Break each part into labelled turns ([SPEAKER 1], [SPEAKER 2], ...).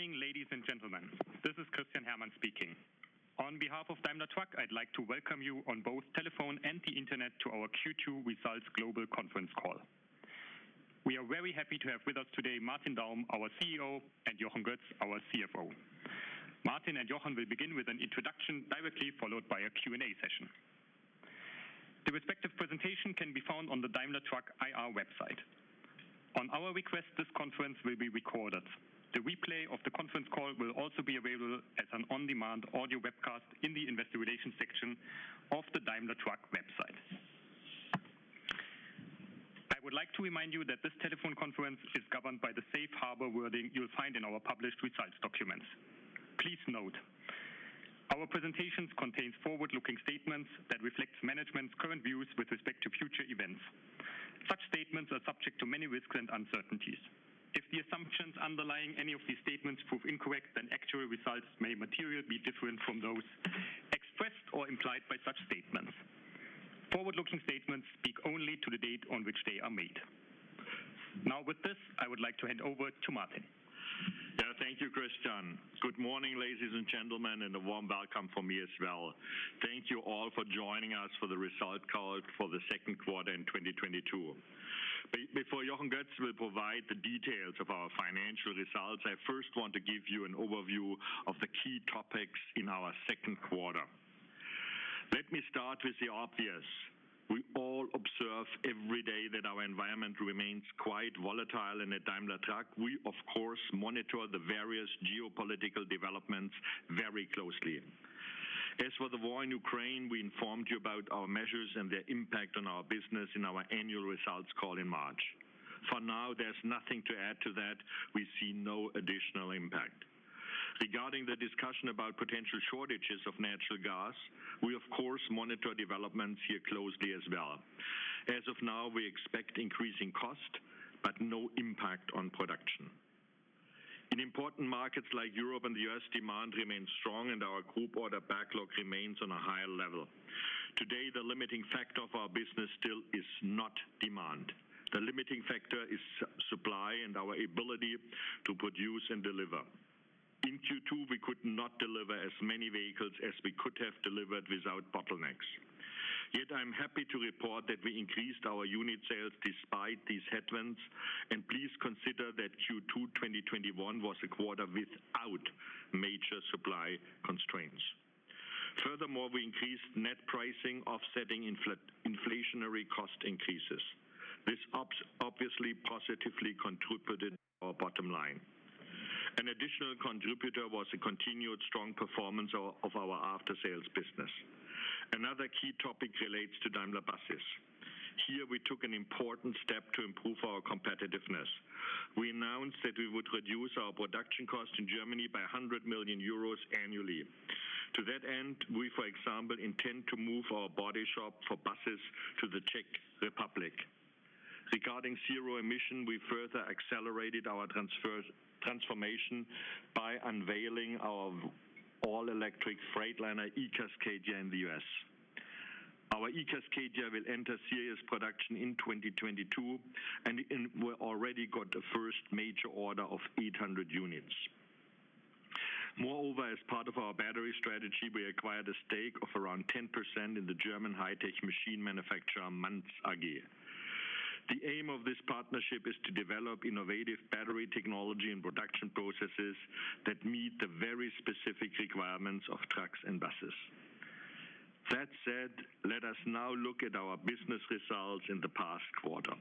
[SPEAKER 1] Good morning, ladies and gentlemen. This is Christian Herrmann speaking. On behalf of Daimler Truck, I'd like to welcome you on both telephone and the Internet to our Q2 results global conference call. We are very happy to have with us today Martin Daum, our CEO, and Jochen Goetz, our CFO. Martin and Jochen will begin with an introduction directly followed by a Q&A session. The respective presentation can be found on the Daimler Truck IR website. On our request, this conference will be recorded. The replay of the conference call will also be available as an on-demand audio webcast in the investor relations section of the Daimler Truck website. I would like to remind you that this telephone conference is governed by the safe harbor wording you will find in our published results documents. Please note, our presentation contains forward-looking statements that reflect management's current views with respect to future events. Such statements are subject to many risks and uncertainties. If the assumptions underlying any of these statements prove incorrect, then actual results may materially be different from those expressed or implied by such statements. Forward-looking statements speak only to the date on which they are made. Now, with this, I would like to hand over to Martin.
[SPEAKER 2] Yeah. Thank you, Christian. Good morning, ladies and gentlemen, and a warm welcome from me as well. Thank you all for joining us for the results call for the second quarter in 2022. Before Jochen Goetz will provide the details of our financial results, I first want to give you an overview of the key topics in our second quarter. Let me start with the obvious. We all observe every day that our environment remains quite volatile, and at Daimler Truck, we of course monitor the various geopolitical developments very closely. As for the war in Ukraine, we informed you about our measures and their impact on our business in our annual results call in March. For now, there's nothing to add to that. We see no additional impact. Regarding the discussion about potential shortages of natural gas, we of course monitor developments here closely as well. As of now, we expect increasing cost, but no impact on production. In important markets like Europe and the U.S., demand remains strong and our group order backlog remains on a higher level. Today, the limiting factor of our business still is not demand. The limiting factor is supply and our ability to produce and deliver. In Q2, we could not deliver as many vehicles as we could have delivered without bottlenecks. Yet, I'm happy to report that we increased our unit sales despite these headwinds. Please consider that Q2 2021 was a quarter without major supply constraints. Furthermore, we increased net pricing offsetting inflationary cost increases. This obviously positively contributed to our bottom line. An additional contributor was a continued strong performance of our after-sales business. Another key topic relates to Daimler Buses. Here we took an important step to improve our competitiveness. We announced that we would reduce our production cost in Germany by 100 million euros annually. To that end, we, for example, intend to move our body shop for buses to the Czech Republic. Regarding zero emission, we further accelerated our transformation by unveiling our all-electric Freightliner eCascadia in the US. Our eCascadia will enter series production in 2022, and we already got the first major order of 800 units. Moreover, as part of our battery strategy, we acquired a stake of around 10% in the German high-tech machine manufacturer, Manz AG. The aim of this partnership is to develop innovative battery technology and production processes that meet the very specific requirements of trucks and buses. That said, let us now look at our business results in the past quarter.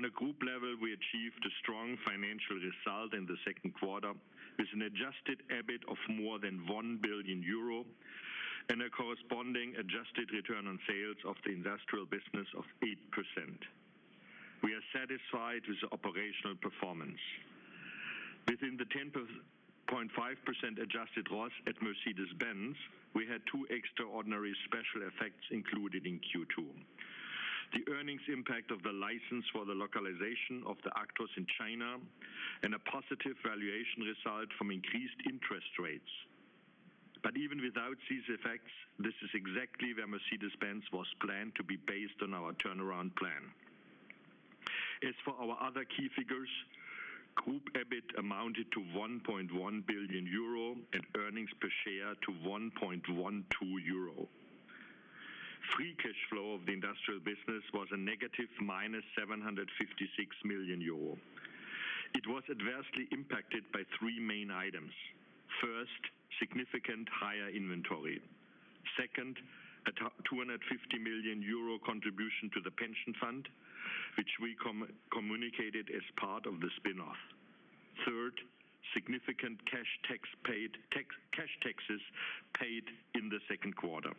[SPEAKER 2] On a group level, we achieved a strong financial result in the second quarter, with an adjusted EBIT of more than 1 billion euro and a corresponding adjusted return on sales of the industrial business of 8%. We are satisfied with the operational performance. Within the 10.5% adjusted ROS at Mercedes-Benz, we had two extraordinary special effects included in Q2. The earnings impact of the license for the localization of the Actros in China, and a positive valuation result from increased interest rates. Even without these effects, this is exactly where Mercedes-Benz was planned to be based on our turnaround plan. As for our other key figures, group EBIT amounted to 1.1 billion euro and earnings per share to 1.12 euro. Free cash flow of the industrial business was a negative minus 756 million euro. It was adversely impacted by three main items. First, significantly higher inventory. Second, a 250 million euro contribution to the pension fund, which we communicated as part of the spin-off. Third, significant cash taxes paid in the second quarter.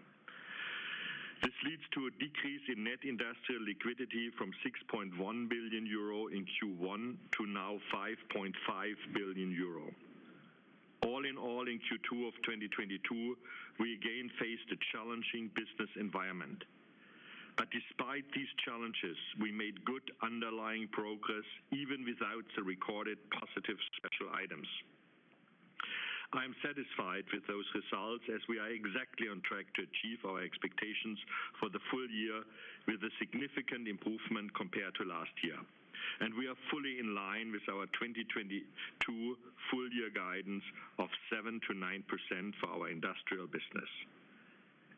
[SPEAKER 2] This leads to a decrease in net industrial liquidity from 6.1 billion euro in Q1 to now 5.5 billion euro. All in all, in Q2 of 2022, we again faced a challenging business environment. Despite these challenges, we made good underlying progress, even without the recorded positive special items. I am satisfied with those results as we are exactly on track to achieve our expectations for the full year with a significant improvement compared to last year. We are fully in line with our 2022 full year guidance of 7%-9% for our industrial business.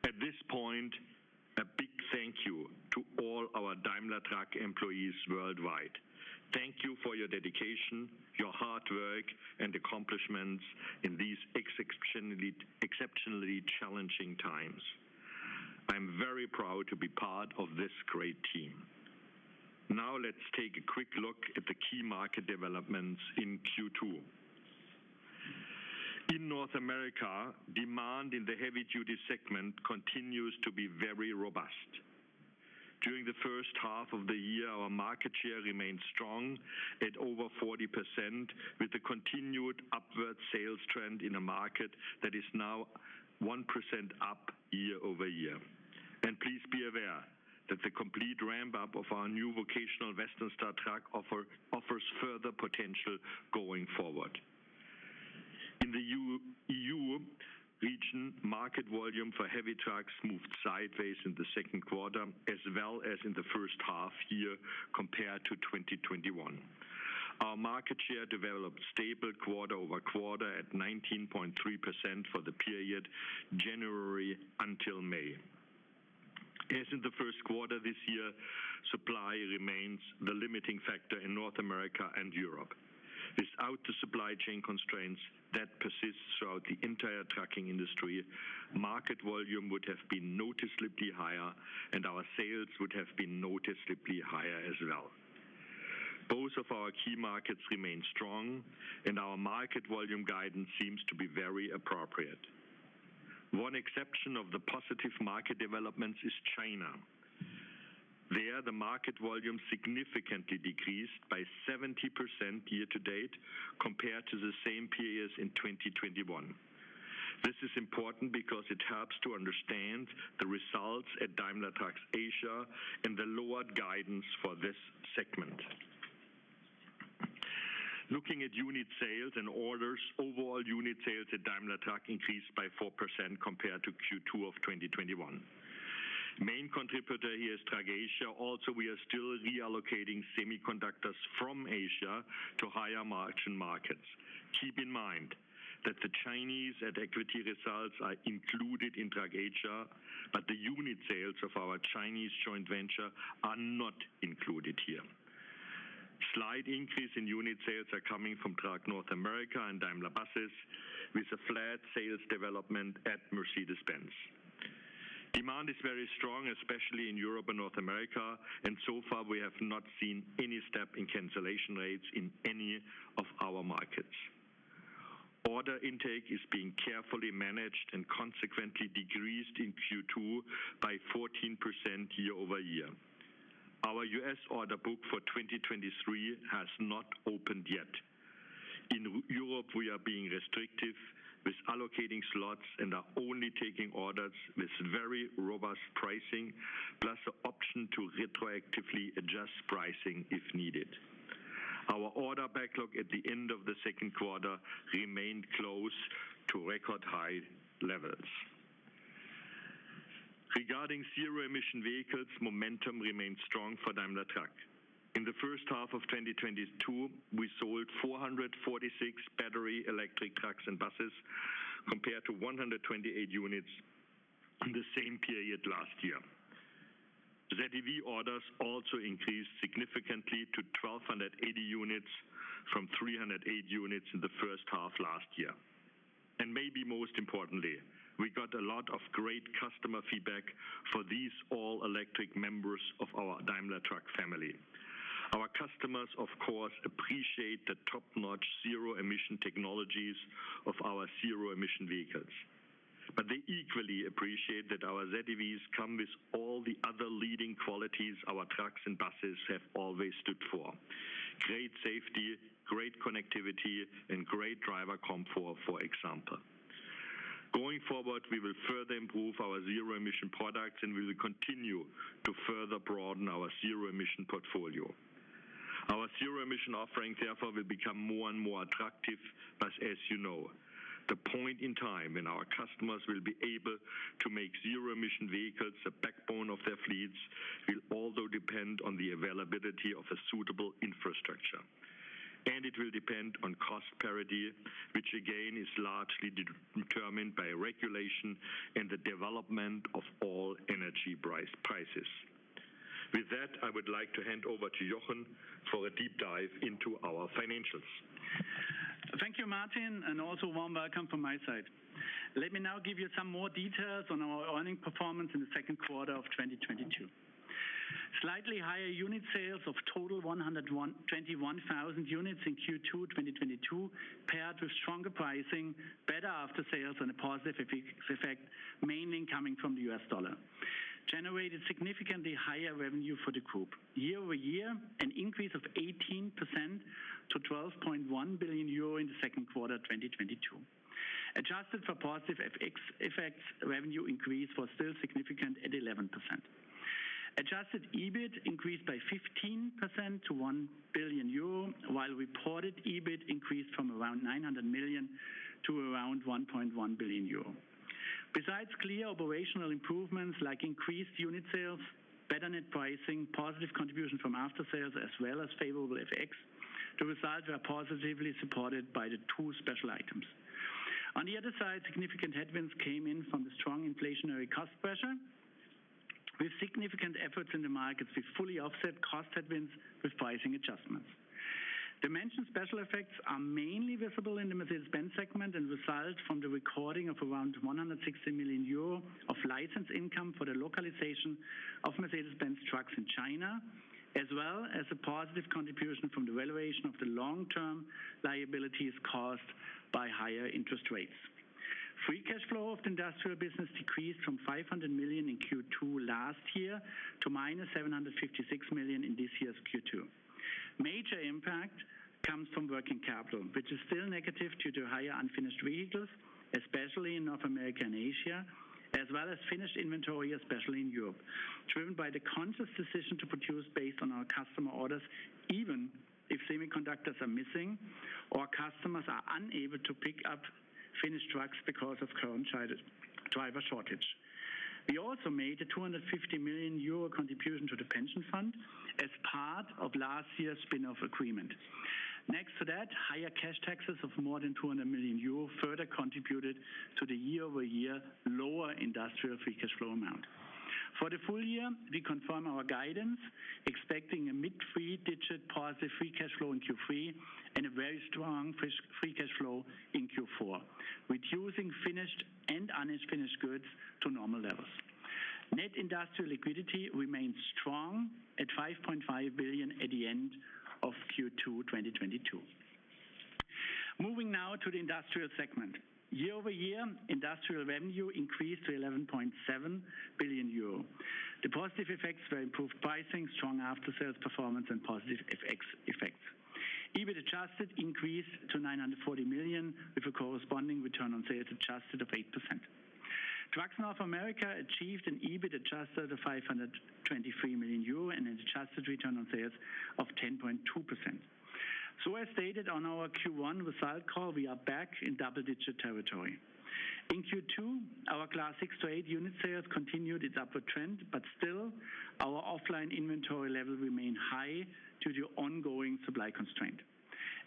[SPEAKER 2] At this point, a big thank you to all our Daimler Truck employees worldwide. Thank you for your dedication, your hard work and accomplishments in these exceptionally challenging times. I am very proud to be part of this great team. Now let's take a quick look at the key market developments in Q2. In North America, demand in the heavy duty segment continues to be very robust. During the first half of the year, our market share remained strong at over 40%, with a continued upward sales trend in a market that is now 1% up year-over-year. Please be aware that the complete ramp up of our new vocational Western Star truck offer further potential going forward. In the EU region, market volume for heavy trucks moved sideways in the second quarter as well as in the first half year compared to 2021. Our market share developed stable quarter-over-quarter at 19.3% for the period January until May. As in the first quarter this year, supply remains the limiting factor in North America and Europe. Without the supply chain constraints that persists throughout the entire trucking industry, market volume would have been noticeably higher and our sales would have been noticeably higher as well. Both of our key markets remain strong and our market volume guidance seems to be very appropriate. One exception of the positive market developments is China. There, the market volume significantly decreased by 70% year to date compared to the same periods in 2021. This is important because it helps to understand the results at Daimler Truck Asia and the lowered guidance for this segment. Looking at unit sales and orders. Overall unit sales at Daimler Truck increased by 4% compared to Q2 of 2021. Main contributor here is Trucks Asia. Also, we are still reallocating semiconductors from Asia to higher margin markets. Keep in mind that the Chinese at equity results are included in Trucks Asia, but the unit sales of our Chinese joint venture are not included here. Slight increase in unit sales are coming from Trucks North America and Daimler Buses with a flat sales development at Mercedes-Benz. Demand is very strong, especially in Europe and North America, and so far we have not seen any step in cancellation rates in any of our markets. Order intake is being carefully managed and consequently decreased in Q2 by 14% year-over-year. Our U.S. order book for 2023 has not opened yet. In Europe, we are being restrictive with allocating slots and are only taking orders with very robust pricing, plus the option to retroactively adjust pricing if needed. Our order backlog at the end of the second quarter remained close to record high levels. Regarding zero-emission vehicles, momentum remains strong for Daimler Truck. In the first half of 2022, we sold 446 battery electric trucks and buses compared to 128 units in the same period last year. ZEV orders also increased significantly to 1,280 units from 308 units in the first half last year. Maybe most importantly, we got a lot of great customer feedback for these all-electric members of our Daimler Truck family. Our customers, of course, appreciate the top-notch zero emission technologies of our zero emission vehicles. They equally appreciate that our ZEVs come with all the other leading qualities our trucks and buses have always stood for. Great safety, great connectivity and great driver comfort, for example. Going forward, we will further improve our zero emission products, and we will continue to further broaden our zero emission portfolio. Our zero emission offerings, therefore, will become more and more attractive. As you know, the point in time when our customers will be able to make zero emission vehicles a backbone of their fleets will also depend on the availability of a suitable infrastructure. It will depend on cost parity, which again, is largely determined by regulation and the development of all energy prices. With that, I would like to hand over to Jochen Goetz for a deep dive into our financials.
[SPEAKER 3] Thank you, Martin, and also a warm welcome from my side. Let me now give you some more details on our earnings performance in the second quarter of 2022. Slightly higher unit sales of total 101,021 units in Q2 2022, paired with stronger pricing, better after sales and a positive FX effect, mainly coming from the US dollar, generated significantly higher revenue for the group. Year-over-year, an increase of 18% to 12.1 billion euro in the second quarter of 2022. Adjusted for positive FX effects, revenue increase was still significant at 11%. Adjusted EBIT increased by 15% to 1 billion euro, while reported EBIT increased from around 900 million to around 1.1 billion euro. Besides clear operational improvements like increased unit sales, better net pricing, positive contribution from after sales, as well as favorable FX, the results are positively supported by the two special items. On the other side, significant headwinds came in from the strong inflationary cost pressure. With significant efforts in the markets, we fully offset cost headwinds with pricing adjustments. The mentioned special effects are mainly visible in the Mercedes-Benz segment and result from the recording of around 160 million euro of license income for the localization of Mercedes-Benz trucks in China, as well as a positive contribution from the revaluation of the long-term liabilities caused by higher interest rates. Free cash flow of the industrial business decreased from 500 million in Q2 last year to -756 million in this year's Q2. Major impact comes from working capital, which is still negative due to higher unfinished vehicles, especially in North America and Asia, as well as finished inventory, especially in Europe. Driven by the conscious decision to produce based on our customer orders, even if semiconductors are missing or customers are unable to pick up finished trucks because of current driver shortage. We also made a 250 million euro contribution to the pension fund as part of last year's spin-off agreement. Next to that, higher cash taxes of more than 200 million euro further contributed to the year-over-year lower industrial free cash flow amount. For the full year, we confirm our guidance, expecting a mid-three digit positive free cash flow in Q3 and a very strong free cash flow in Q4, reducing finished and unfinished goods to normal levels. Net industrial liquidity remains strong at 5.5 billion at the end of Q2 2022. Moving now to the industrial segment. Year-over-year industrial revenue increased to 11.7 billion euro. The positive effects were improved pricing, strong after-sales performance, and positive FX effects. EBIT adjusted increased to 940 million, with a corresponding return on sales adjusted of 8%. Trucks North America achieved an EBIT adjusted of 523 million euro and an adjusted return on sales of 10.2%. As stated on our Q1 result call, we are back in double-digit territory. In Q2, our Class 6 to 8 unit sales continued its upward trend, but still, our offline inventory level remained high due to ongoing supply constraint.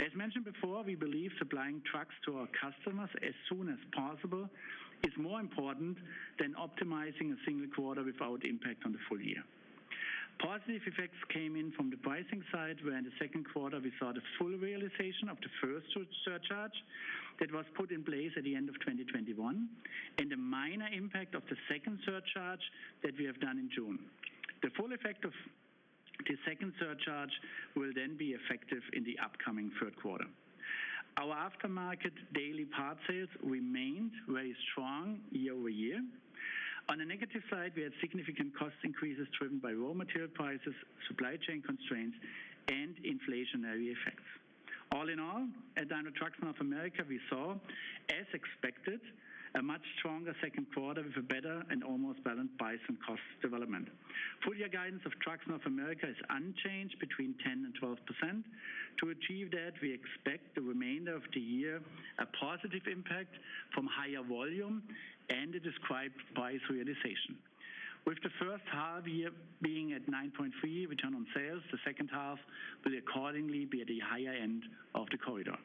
[SPEAKER 3] As mentioned before, we believe supplying trucks to our customers as soon as possible is more important than optimizing a single quarter without impact on the full year. Positive effects came in from the pricing side, where in the second quarter we saw the full realization of the first surcharge that was put in place at the end of 2021 and a minor impact of the second surcharge that we have done in June. The full effect of the second surcharge will then be effective in the upcoming third quarter. Our aftermarket daily part sales remained very strong year-over-year. On the negative side, we had significant cost increases driven by raw material prices, supply chain constraints, and inflationary effects. All in all, at Daimler Truck North America, we saw, as expected, a much stronger second quarter with a better and almost balanced price and cost development. Full-year guidance of Trucks North America is unchanged between 10% and 12%. To achieve that, we expect the remainder of the year a positive impact from higher volume and the described price realization. With the first half year being at 9.3% return on sales, the second half will accordingly be at the higher end of the corridor.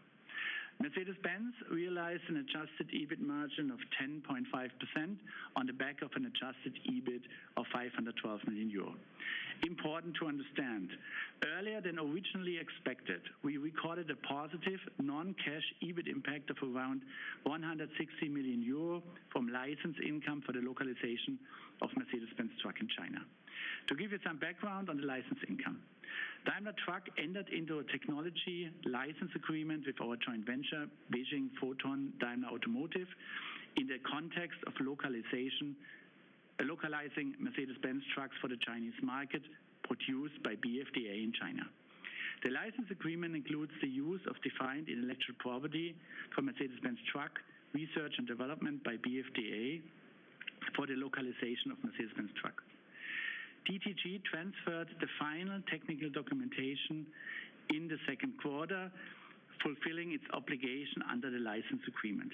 [SPEAKER 3] Mercedes-Benz realized an adjusted EBIT margin of 10.5% on the back of an adjusted EBIT of 512 million euro. Important to understand, earlier than originally expected, we recorded a positive non-cash EBIT impact of around 160 million euro from license income for the localization of Mercedes-Benz truck in China. To give you some background on the license income. Daimler Truck entered into a technology license agreement with our joint venture, Beijing Foton Daimler Automotive, in the context of localization, localizing Mercedes-Benz trucks for the Chinese market produced by BFDA in China. The license agreement includes the use of defined intellectual property for Mercedes-Benz truck, research and development by BFDA for the localization of Mercedes-Benz truck. DTG transferred the final technical documentation in the second quarter, fulfilling its obligation under the license agreement.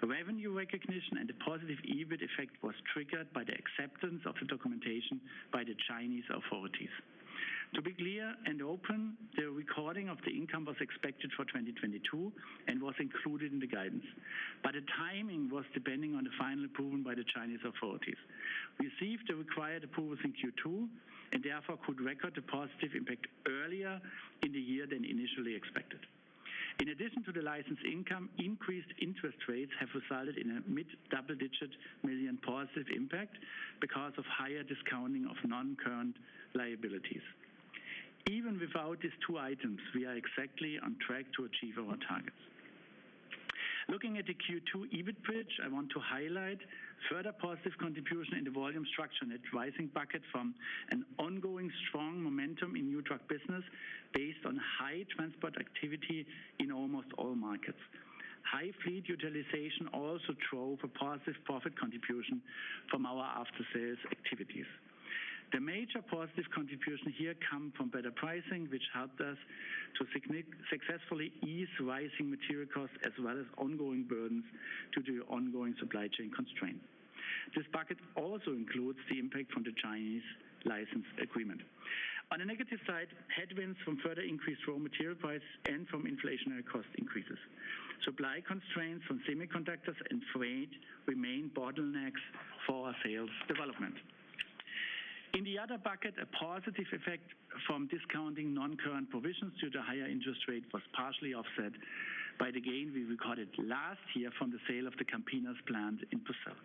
[SPEAKER 3] The revenue recognition and the positive EBIT effect was triggered by the acceptance of the documentation by the Chinese authorities. To be clear and open, the recording of the income was expected for 2022 and was included in the guidance. The timing was depending on the final approval by the Chinese authorities. We received the required approvals in Q2 and therefore could record the positive impact earlier in the year than initially expected. In addition to the license income, increased interest rates have resulted in a EUR mid-double-digit million positive impact because of higher discounting of non-current liabilities. Even without these two items, we are exactly on track to achieve our targets. Looking at the Q2 EBIT bridge, I want to highlight further positive contribution in the volume structure net pricing bucket from an ongoing strong momentum in new truck business based on high transport activity in almost all markets. High fleet utilization also drove a positive profit contribution from our after-sales activities. The major positive contribution here come from better pricing, which helped us to successfully ease rising material costs, as well as ongoing burdens to the ongoing supply chain constraint. This bucket also includes the impact from the Chinese license agreement. On a negative side, headwinds from further increased raw material prices and from inflationary cost increases. Supply constraints from semiconductors and freight remain bottlenecks for our sales development. In the other bucket, a positive effect from discounting non-current provisions due to higher interest rate was partially offset by the gain we recorded last year from the sale of the Campinas plant in Brazil.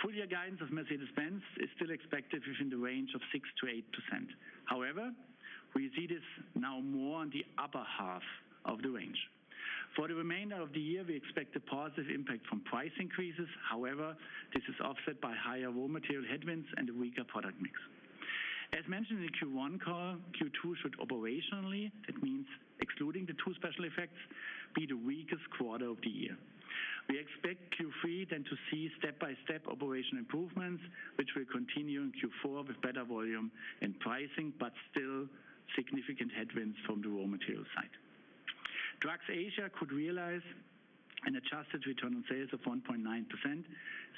[SPEAKER 3] Full-year guidance of Mercedes-Benz is still expected within the range of 6%-8%. However, we see this now more on the upper half of the range. For the remainder of the year, we expect a positive impact from price increases. However, this is offset by higher raw material headwinds and a weaker product mix. As mentioned in the Q1 call, Q2 should operationally, that means excluding the two special effects, be the weakest quarter of the year. We expect Q3 then to see step-by-step operational improvements, which will continue in Q4 with better volume and pricing, but still significant headwinds from the raw material side. Trucks Asia could realize an adjusted return on sales of 1.9%,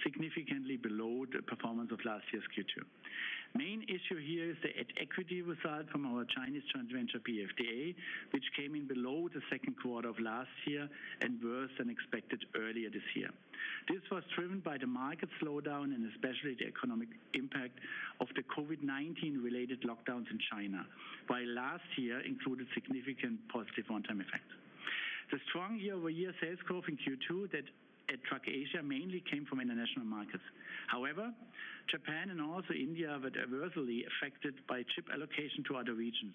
[SPEAKER 3] significantly below the performance of last year's Q2. Main issue here is the at-equity result from our Chinese joint venture, BFDA, which came in below the second quarter of last year and worse than expected earlier this year. This was driven by the market slowdown and especially the economic impact of the COVID-19 related lockdowns in China. While last year included significant positive one-time effects. The strong year-over-year sales growth in Q2 at Trucks Asia mainly came from international markets. However, Japan and also India were adversely affected by chip allocation to other regions.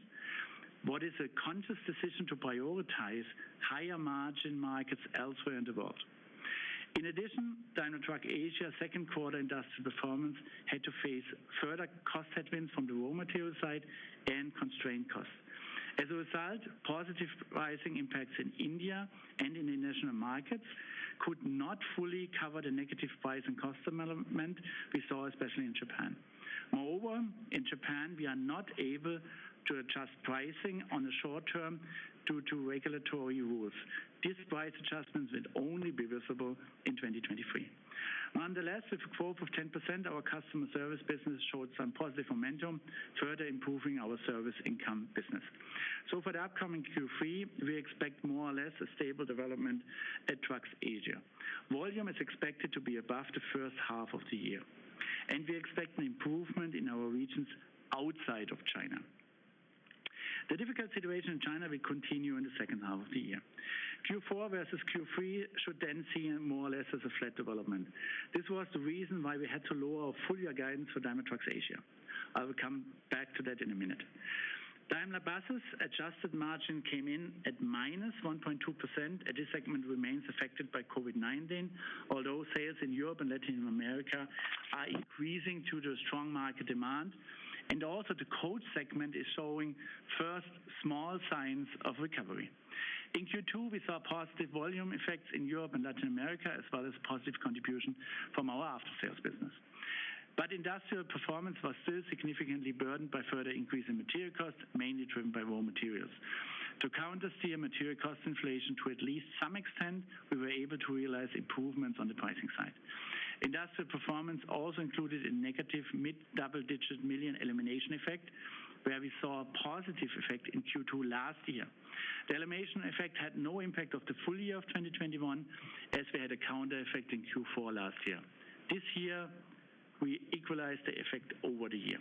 [SPEAKER 3] It was a conscious decision to prioritize higher margin markets elsewhere in the world. In addition, Daimler Truck Asia second quarter industrial performance had to face further cost headwinds from the raw material side and constraint costs. As a result, positive pricing impacts in India and in the international markets could not fully cover the negative price and cost development we saw, especially in Japan. Moreover, in Japan, we are not able to adjust pricing in the short term due to regulatory rules. These price adjustments will only be visible in 2023. Nonetheless, with a growth of 10%, our customer service business showed some positive momentum, further improving our service income business. For the upcoming Q3, we expect more or less a stable development at Trucks Asia. Volume is expected to be above the first half of the year, and we expect an improvement in our regions outside of China. The difficult situation in China will continue in the second half of the year. Q4 versus Q3 should then see more or less as a flat development. This was the reason why we had to lower our full-year guidance for Daimler Trucks Asia. I will come back to that in a minute. Daimler Buses adjusted margin came in at -1.2%, and this segment remains affected by COVID-19. Although sales in Europe and Latin America are increasing due to strong market demand, and also the coach segment is showing first small signs of recovery. In Q2, we saw positive volume effects in Europe and Latin America, as well as positive contribution from our after-sales business. Industrial performance was still significantly burdened by further increase in material costs, mainly driven by raw materials. To counter the material cost inflation to at least some extent, we were able to realize improvements on the pricing side. Industrial performance also included a negative mid-double-digit million elimination effect, where we saw a positive effect in Q2 last year. The elimination effect had no impact of the full year of 2021, as we had a counter effect in Q4 last year. This year, we equalize the effect over the year.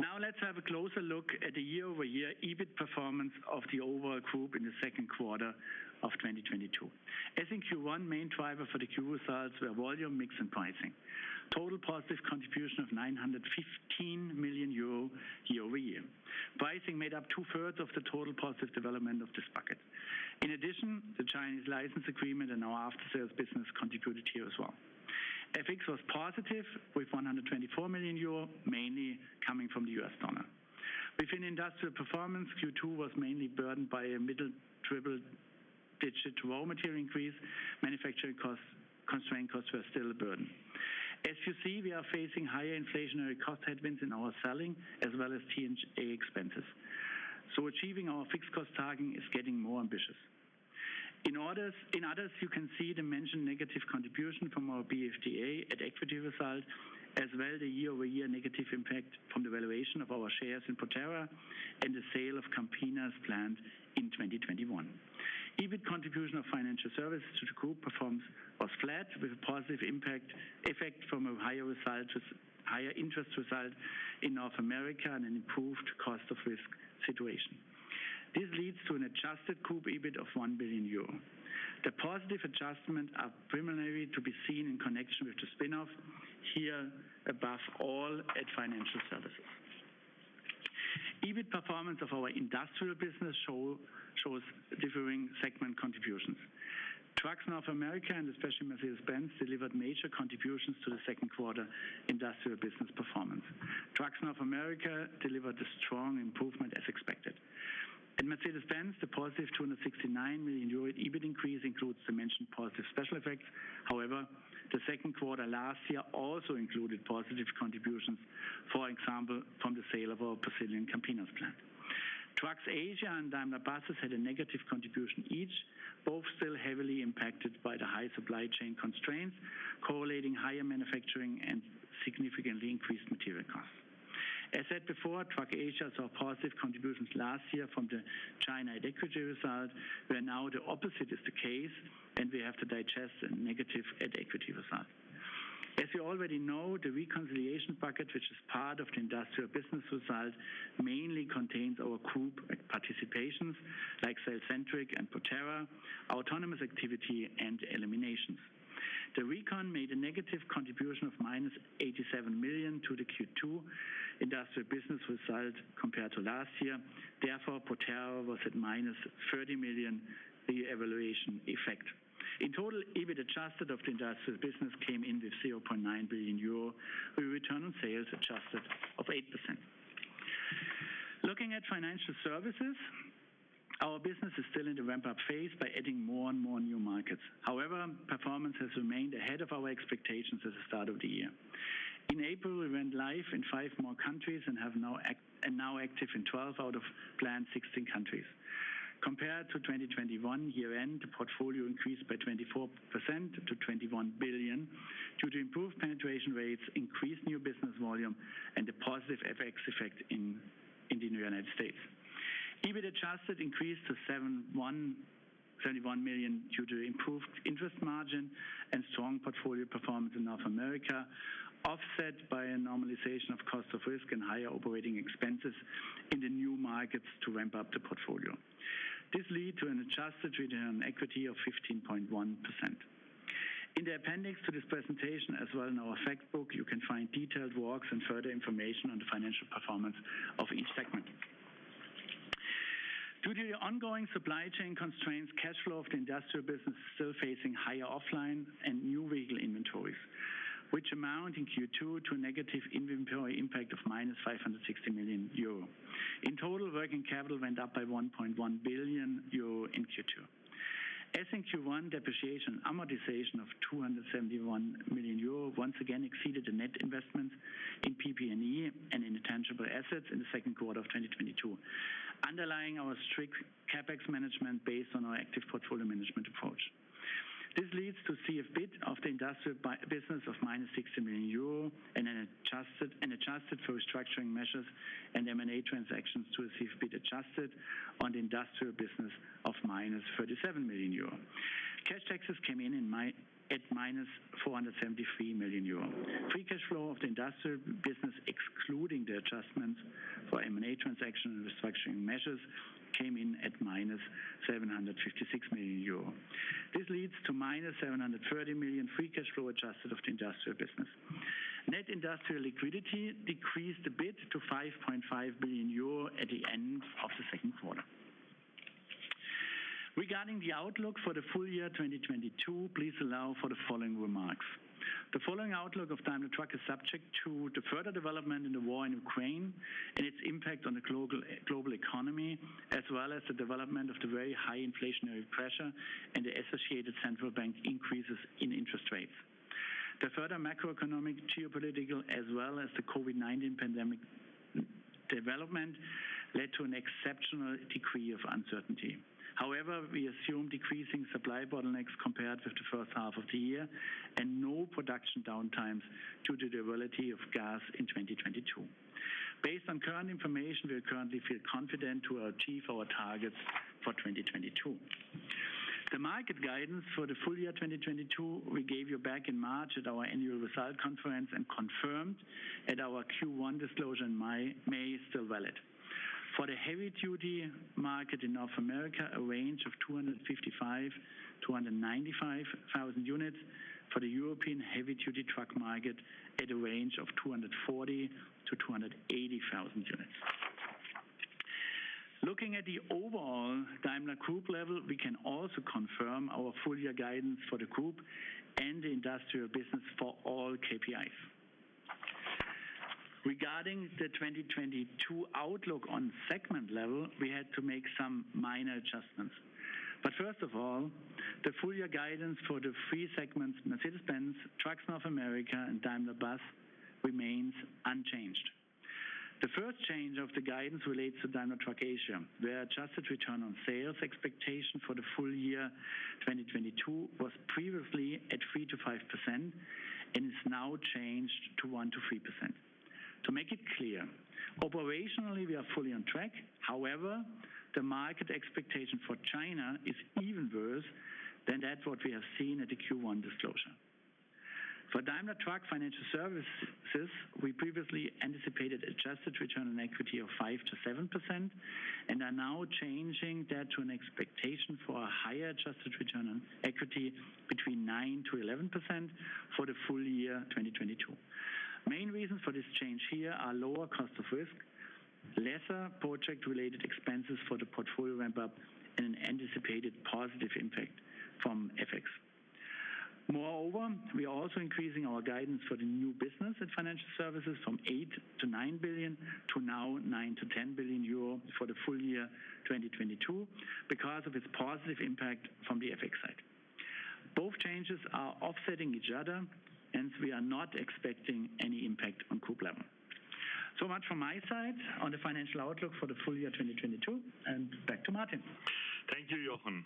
[SPEAKER 3] Now let's have a closer look at the year-over-year EBIT performance of the overall group in the second quarter of 2022. As in Q1, main driver for the Q results were volume, mix, and pricing. Total positive contribution of 915 million euro year over year. Pricing made up two-thirds of the total positive development of this bucket. In addition, the Chinese license agreement and our after-sales business contributed here as well. FX was positive with 124 million euro, mainly coming from the US dollar. Within industrial performance, Q2 was mainly burdened by a mid-double-digit raw material increase. Manufacturing costs, constraint costs were still a burden. As you see, we are facing higher inflationary cost headwinds in our selling as well as G&A expenses. Achieving our fixed cost targeting is getting more ambitious. In others, you can see the mentioned negative contribution from our BFDA at equity result, as well the year-over-year negative impact from the valuation of our shares in Proterra and the sale of Campinas plant in 2021. EBIT contribution of financial services to the group performance was flat with a positive FX effect from a higher FX result, higher interest result in North America and an improved cost of risk situation. This leads to an adjusted group EBIT of 1 billion euro. The positive adjustments are primarily to be seen in connection with the spin-off, here above all at financial services. EBIT performance of our industrial business shows differing segment contributions. Trucks North America and especially Mercedes-Benz delivered major contributions to the second quarter industrial business performance. Trucks North America delivered a strong improvement as expected. In Mercedes-Benz, the positive 269 million euro EBIT increase includes the mentioned positive special effects. However, the second quarter last year also included positive contributions, for example, from the sale of our Brazilian Campinas plant. Trucks Asia and Daimler Buses had a negative contribution each, both still heavily impacted by the high supply chain constraints, correlating higher manufacturing and significantly increased material costs. As said before, Trucks Asia saw positive contributions last year from the China at equity result, where now the opposite is the case, and we have to digest a negative at equity result. As you already know, the reconciliation bucket, which is part of the industrial business result, mainly contains our group participations, like Cellcentric and Proterra, autonomous activity and eliminations. The recon made a negative contribution of -87 million to the Q2 industrial business result compared to last year. Therefore, Proterra was at -30 million revaluation effect. In total, EBIT adjusted of the industrial business came in with 0.9 billion euro, a return on sales adjusted of 8%. Looking at financial services, our business is still in the ramp-up phase by adding more and more new markets. However, performance has remained ahead of our expectations at the start of the year. In April, we went live in 5 more countries and are now active in 12 out of planned 16 countries. Compared to 2021 year-end, the portfolio increased by 24% to 21 billion due to improved penetration rates, increased new business volume, and a positive FX effect in the United States. Adjusted EBIT increased to 731 million due to improved interest margin and strong portfolio performance in North America, offset by a normalization of cost of risk and higher operating expenses in the new markets to ramp up the portfolio. This led to an adjusted return on equity of 15.1%. In the appendix to this presentation as well as in our fact book, you can find detailed walks and further information on the financial performance of each segment. Due to the ongoing supply chain constraints, cash flow of the industrial business is still facing higher offline and new vehicle inventories, which amount in Q2 to a negative inventory impact of -560 million euro. In total, working capital went up by 1.1 billion euro in Q2. As in Q1, depreciation, amortization of 271 million euro once again exceeded the net investments in PP&E and intangible assets in the second quarter of 2022, underlying our strict CapEx management based on our active portfolio management approach. This leads to CFFIT of the industrial business of -60 million euro and an adjusted for restructuring measures and M&A transactions to a CFFIT adjusted on the industrial business of -37 million euro. Cash taxes came in in May at -473 million euro. Free cash flow of the industrial business, excluding the adjustments for M&A transaction and restructuring measures, came in at -756 million euro. This leads to -730 million free cash flow adjusted of the industrial business. Net industrial liquidity decreased a bit to 5.5 billion euro at the end of the second quarter. Regarding the outlook for the full year 2022, please allow for the following remarks. The following outlook of Daimler Truck is subject to the further development in the war in Ukraine and its impact on the global economy, as well as the development of the very high inflationary pressure and the associated central bank increases in interest rates. The further macroeconomic, geopolitical, as well as the COVID-19 pandemic development led to an exceptional degree of uncertainty. However, we assume decreasing supply bottlenecks compared with the first half of the year and no production downtimes due to the availability of gas in 2022. Based on current information, we currently feel confident to achieve our targets for 2022. The market guidance for the full year 2022 we gave you back in March at our annual result conference and confirmed at our Q1 disclosure in May is still valid. For the heavy-duty market in North America, a range of 255,000-295,000 units. For the European heavy-duty truck market, a range of 240,000-280,000 units. Looking at the overall Daimler group level, we can also confirm our full year guidance for the group and the industrial business for all KPIs. Regarding the 2022 outlook on segment level, we had to make some minor adjustments. First of all, the full year guidance for the three segments, Mercedes-Benz, Trucks North America and Daimler Buses, remains unchanged. The first change of the guidance relates to Daimler Truck Asia. The adjusted return on sales expectation for the full year 2022 was previously at 3%-5% and is now changed to 1%-3%. To make it clear, operationally we are fully on track. However, the market expectation for China is even worse than what we have seen at the Q1 disclosure. For Daimler Truck Financial Services, we previously anticipated adjusted return on equity of 5%-7% and are now changing that to an expectation for a higher adjusted return on equity between 9%-11% for the full year 2022. Main reasons for this change here are lower cost of risk. Lesser project related expenses for the portfolio ramp up and an anticipated positive impact from FX. Moreover, we are also increasing our guidance for the new business and financial services from 8-9 billion to now 9-10 billion euro for the full year 2022 because of its positive impact from the FX side. Both changes are offsetting each other, and we are not expecting any impact on group level. Much from my side on the financial outlook for the full year 2022. Back to Martin.
[SPEAKER 2] Thank you, Jochen.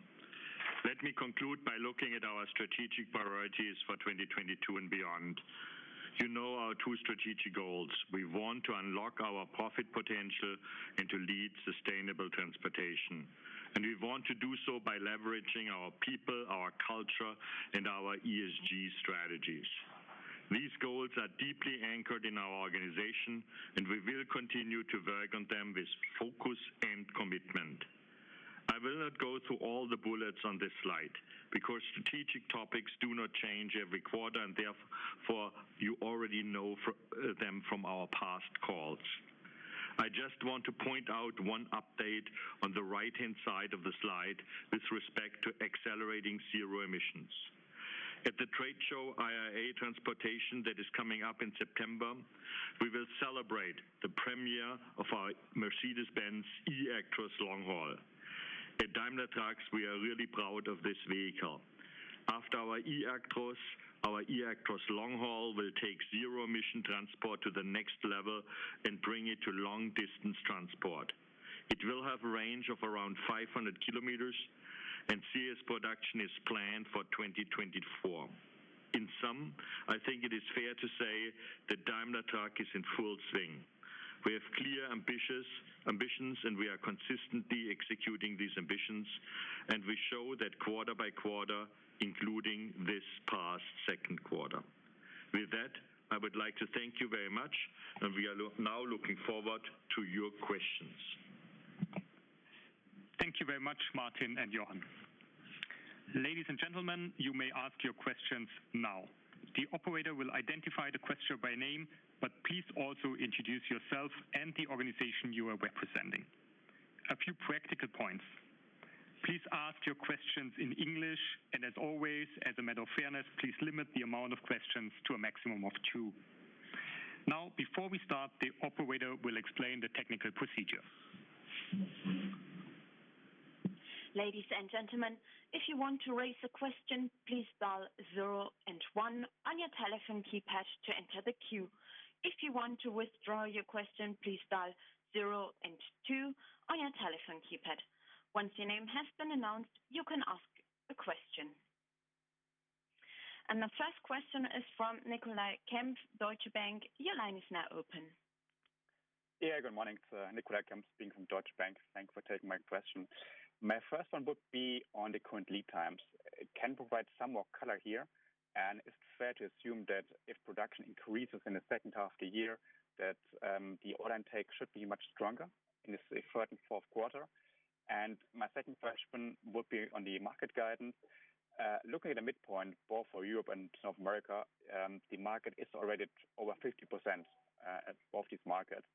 [SPEAKER 2] Let me conclude by looking at our strategic priorities for 2022 and beyond. You know our two strategic goals. We want to unlock our profit potential and to lead sustainable transportation. We want to do so by leveraging our people, our culture, and our ESG strategies. These goals are deeply anchored in our organization, and we will continue to work on them with focus and commitment. I will not go through all the bullets on this slide because strategic topics do not change every quarter, and therefore, you already know them from our past calls. I just want to point out one update on the right-hand side of the slide with respect to accelerating zero emissions. At the trade show, IAA Transportation, that is coming up in September, we will celebrate the premiere of our Mercedes-Benz eActros LongHaul. At Daimler Truck, we are really proud of this vehicle. After our eActros, our eActros LongHaul will take zero-emission transport to the next level and bring it to long-distance transport. It will have a range of around 500 kilometers and series production is planned for 2024. In sum, I think it is fair to say that Daimler Truck is in full swing. We have clear, ambitious ambitions, and we are consistently executing these ambitions, and we show that quarter by quarter, including this past second quarter. With that, I would like to thank you very much, and we are now looking forward to your questions.
[SPEAKER 1] Thank you very much, Martin and Jochen. Ladies and gentlemen, you may ask your questions now. The operator will identify the question by name, but please also introduce yourself and the organization you are representing. A few practical points. Please ask your questions in English, and as always, as a matter of fairness, please limit the amount of questions to a maximum of two. Now, before we start, the operator will explain the technical procedure.
[SPEAKER 4] Ladies and gentlemen, if you want to raise a question, please dial zero and one on your telephone keypad to enter the queue. If you want to withdraw your question, please dial zero and two on your telephone keypad. Once your name has been announced, you can ask a question. The first question is from Nicolai Kempf, Deutsche Bank. Your line is now open.
[SPEAKER 5] Yeah, good morning. It's Nicolai Kempf speaking from Deutsche Bank. Thanks for taking my question. My first one would be on the current lead times. Can you provide some more color here? Is it fair to assume that if production increases in the second half of the year that the order intake should be much stronger in the third and fourth quarter? My second question would be on the market guidance. Looking at the midpoint, both for Europe and North America, the market is already over 50% at both these markets.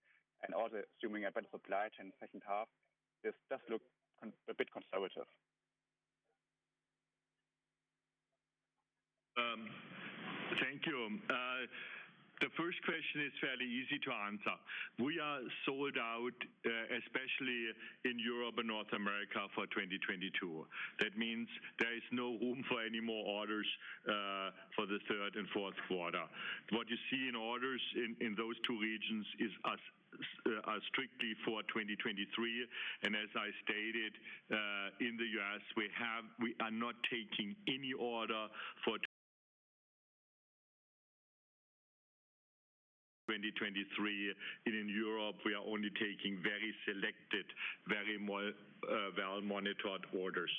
[SPEAKER 5] Assuming a better supply chain second half, this does look a bit conservative.
[SPEAKER 2] Thank you. The first question is fairly easy to answer. We are sold out, especially in Europe and North America for 2022. That means there is no room for any more orders for the third and fourth quarter. What you see in orders in those two regions is ours, strictly for 2023. As I stated, in the US, we are not taking any order for 2023. In Europe, we are only taking very selected, well-monitored orders.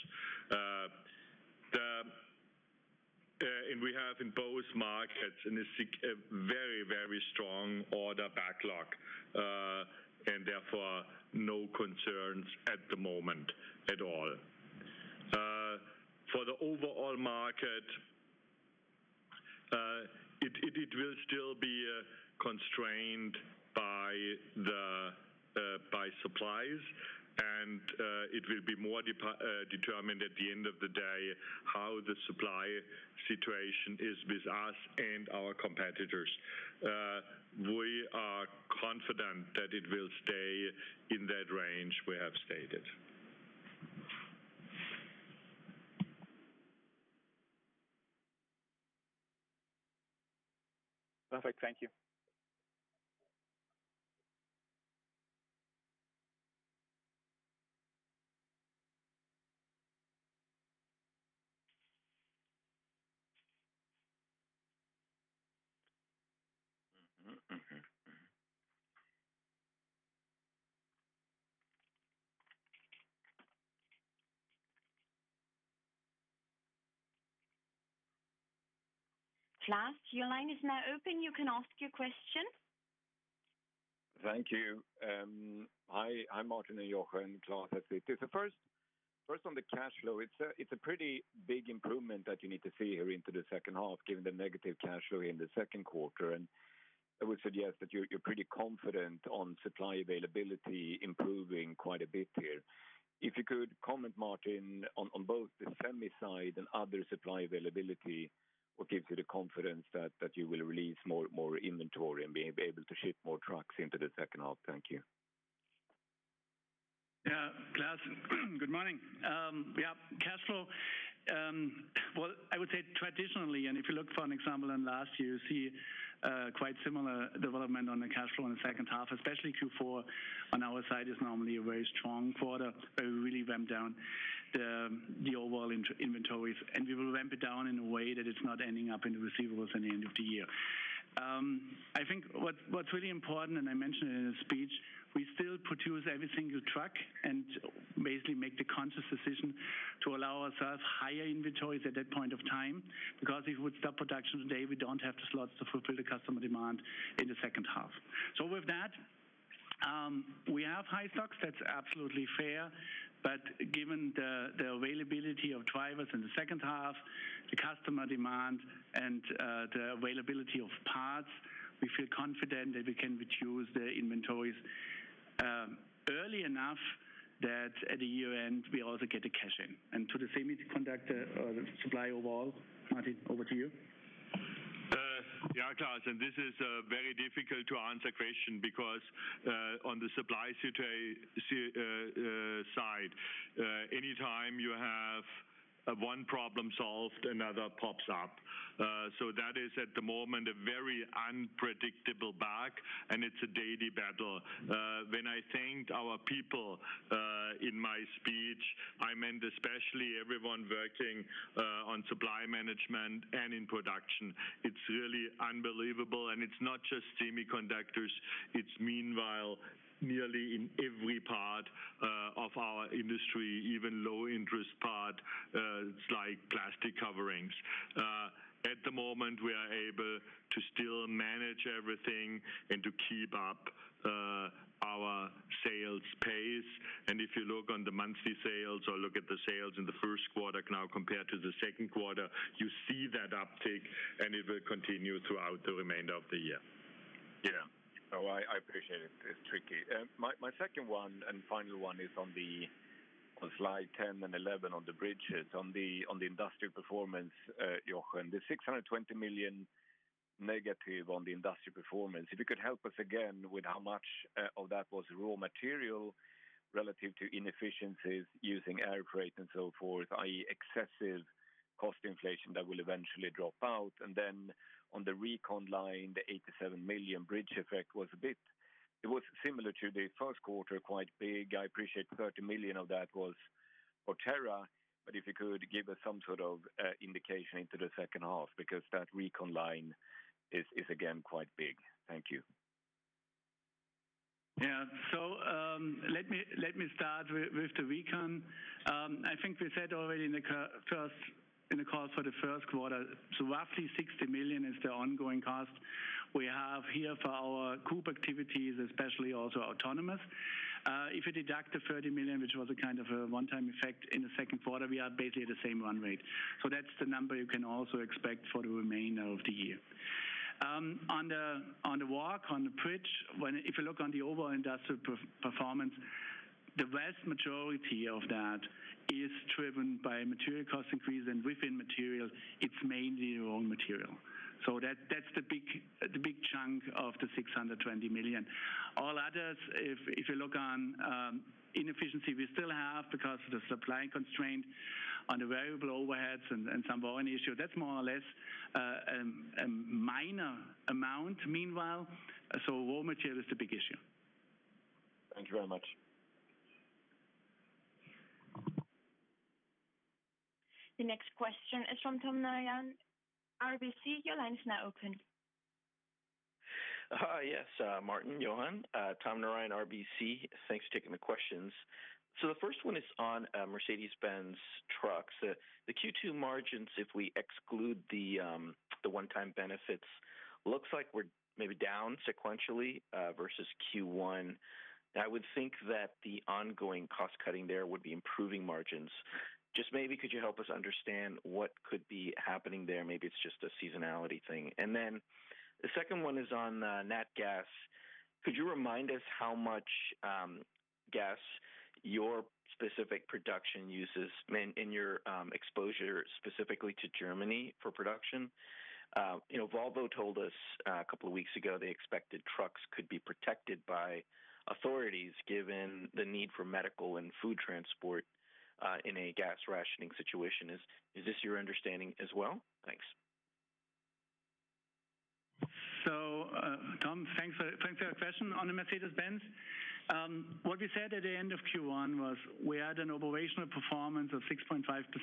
[SPEAKER 2] We have in both markets this very, very strong order backlog, and therefore, no concerns at the moment at all. For the overall market, it will still be constrained by supplies. It will be determined at the end of the day how the supply situation is with us and our competitors. We are confident that it will stay in that range we have stated.
[SPEAKER 5] Perfect. Thank you.
[SPEAKER 4] Klas, your line is now open. You can ask your question.
[SPEAKER 6] Thank you. Hi, Martin and Jochen. Klas at Citi. The first on the cash flow. It's a pretty big improvement that you need to see here in the second half, given the negative cash flow in the second quarter. I would suggest that you're pretty confident on supply availability improving quite a bit here. If you could comment, Martin, on both the semi side and other supply availability, what gives you the confidence that you will release more inventory and be able to ship more trucks in the second half? Thank you.
[SPEAKER 3] Yeah. Klas, good morning. Yeah, cash flow. Well, I would say traditionally, if you look for an example in last year, you see quite similar development on the cash flow in the second half, especially Q4 on our side is normally a very strong quarter, where we really ramp down the overall inventories, and we will ramp it down in a way that it's not ending up in the receivables in the end of the year. I think what's really important, and I mentioned it in the speech, we still produce every single truck and basically make the conscious decision to allow ourselves higher inventories at that point of time. Because if we would stop production today, we don't have the slots to fulfill the customer demand in the second half. So with that, we have high stocks, that's absolutely fair. Given the availability of drivers in the second half, the customer demand and the availability of parts, we feel confident that we can reduce the inventories early enough that at the year-end, we also get the cash in. To the semiconductor supply overall, Martin, over to you.
[SPEAKER 2] Yeah, Klas, this is a very difficult to answer question because on the supply side, anytime you have one problem solved, another pops up. So that is, at the moment, a very unpredictable bag, and it's a daily battle. When I thanked our people in my speech, I meant especially everyone working on supply management and in production. It's really unbelievable. It's not just semiconductors, it's meanwhile nearly in every part of our industry, even low-tech parts, it's like plastic coverings. At the moment, we are able to still manage everything and to keep up our sales pace. If you look at the monthly sales or look at the sales in the first quarter now compared to the second quarter, you see that uptick, and it will continue throughout the remainder of the year.
[SPEAKER 6] Yeah. No, I appreciate it. It's tricky. My second one and final one is on slide 10 and 11 on the bridges. On the industrial performance, Jochen. The 620 million negative on the industrial performance. If you could help us again with how much of that was raw material relative to inefficiencies using air freight and so forth, i.e. excessive cost inflation that will eventually drop out. On the recon line, the 87 million bridge effect was a bit. It was similar to the first quarter, quite big. I appreciate 30 million of that was Proterra. If you could give us some sort of indication into the second half, because that recon line is again quite big. Thank you.
[SPEAKER 3] Yeah. Let me start with the recon. I think we said already in the call for the first quarter, roughly 60 million is the ongoing cost we have here for our group activities, especially also autonomous. If you deduct the 30 million, which was a kind of a one-time effect in the second quarter, we are basically the same run rate. That's the number you can also expect for the remainder of the year. On the walk, on the bridge, if you look on the overall industrial performance, the vast majority of that is driven by material cost increase, and within material it's mainly raw material. That's the big chunk of the 620 million. All others, if you look at inefficiency, we still have because of the supply constraint on the variable overheads and some volume issue. That's more or less minor amount meanwhile. Raw material is the big issue.
[SPEAKER 6] Thank you very much.
[SPEAKER 4] The next question is from Tom Narayan, RBC. Your line is now open.
[SPEAKER 7] Yes, Martin, Jochen. Tom Narayan, RBC. Thanks for taking the questions. The first one is on Mercedes-Benz Trucks. The Q2 margins, if we exclude the one-time benefits, looks like we're maybe down sequentially versus Q1. I would think that the ongoing cost cutting there would be improving margins. Just maybe could you help us understand what could be happening there? Maybe it's just a seasonality thing. Then the second one is on natural gas. Could you remind us how much gas your specific production uses mainly in your exposure specifically to Germany for production? You know, Volvo told us a couple of weeks ago they expected trucks could be protected by authorities given the need for medical and food transport in a gas rationing situation. Is this your understanding as well? Thanks.
[SPEAKER 3] Tom, thanks for the question on the Mercedes-Benz. What we said at the end of Q1 was we had an operational performance of 6.5%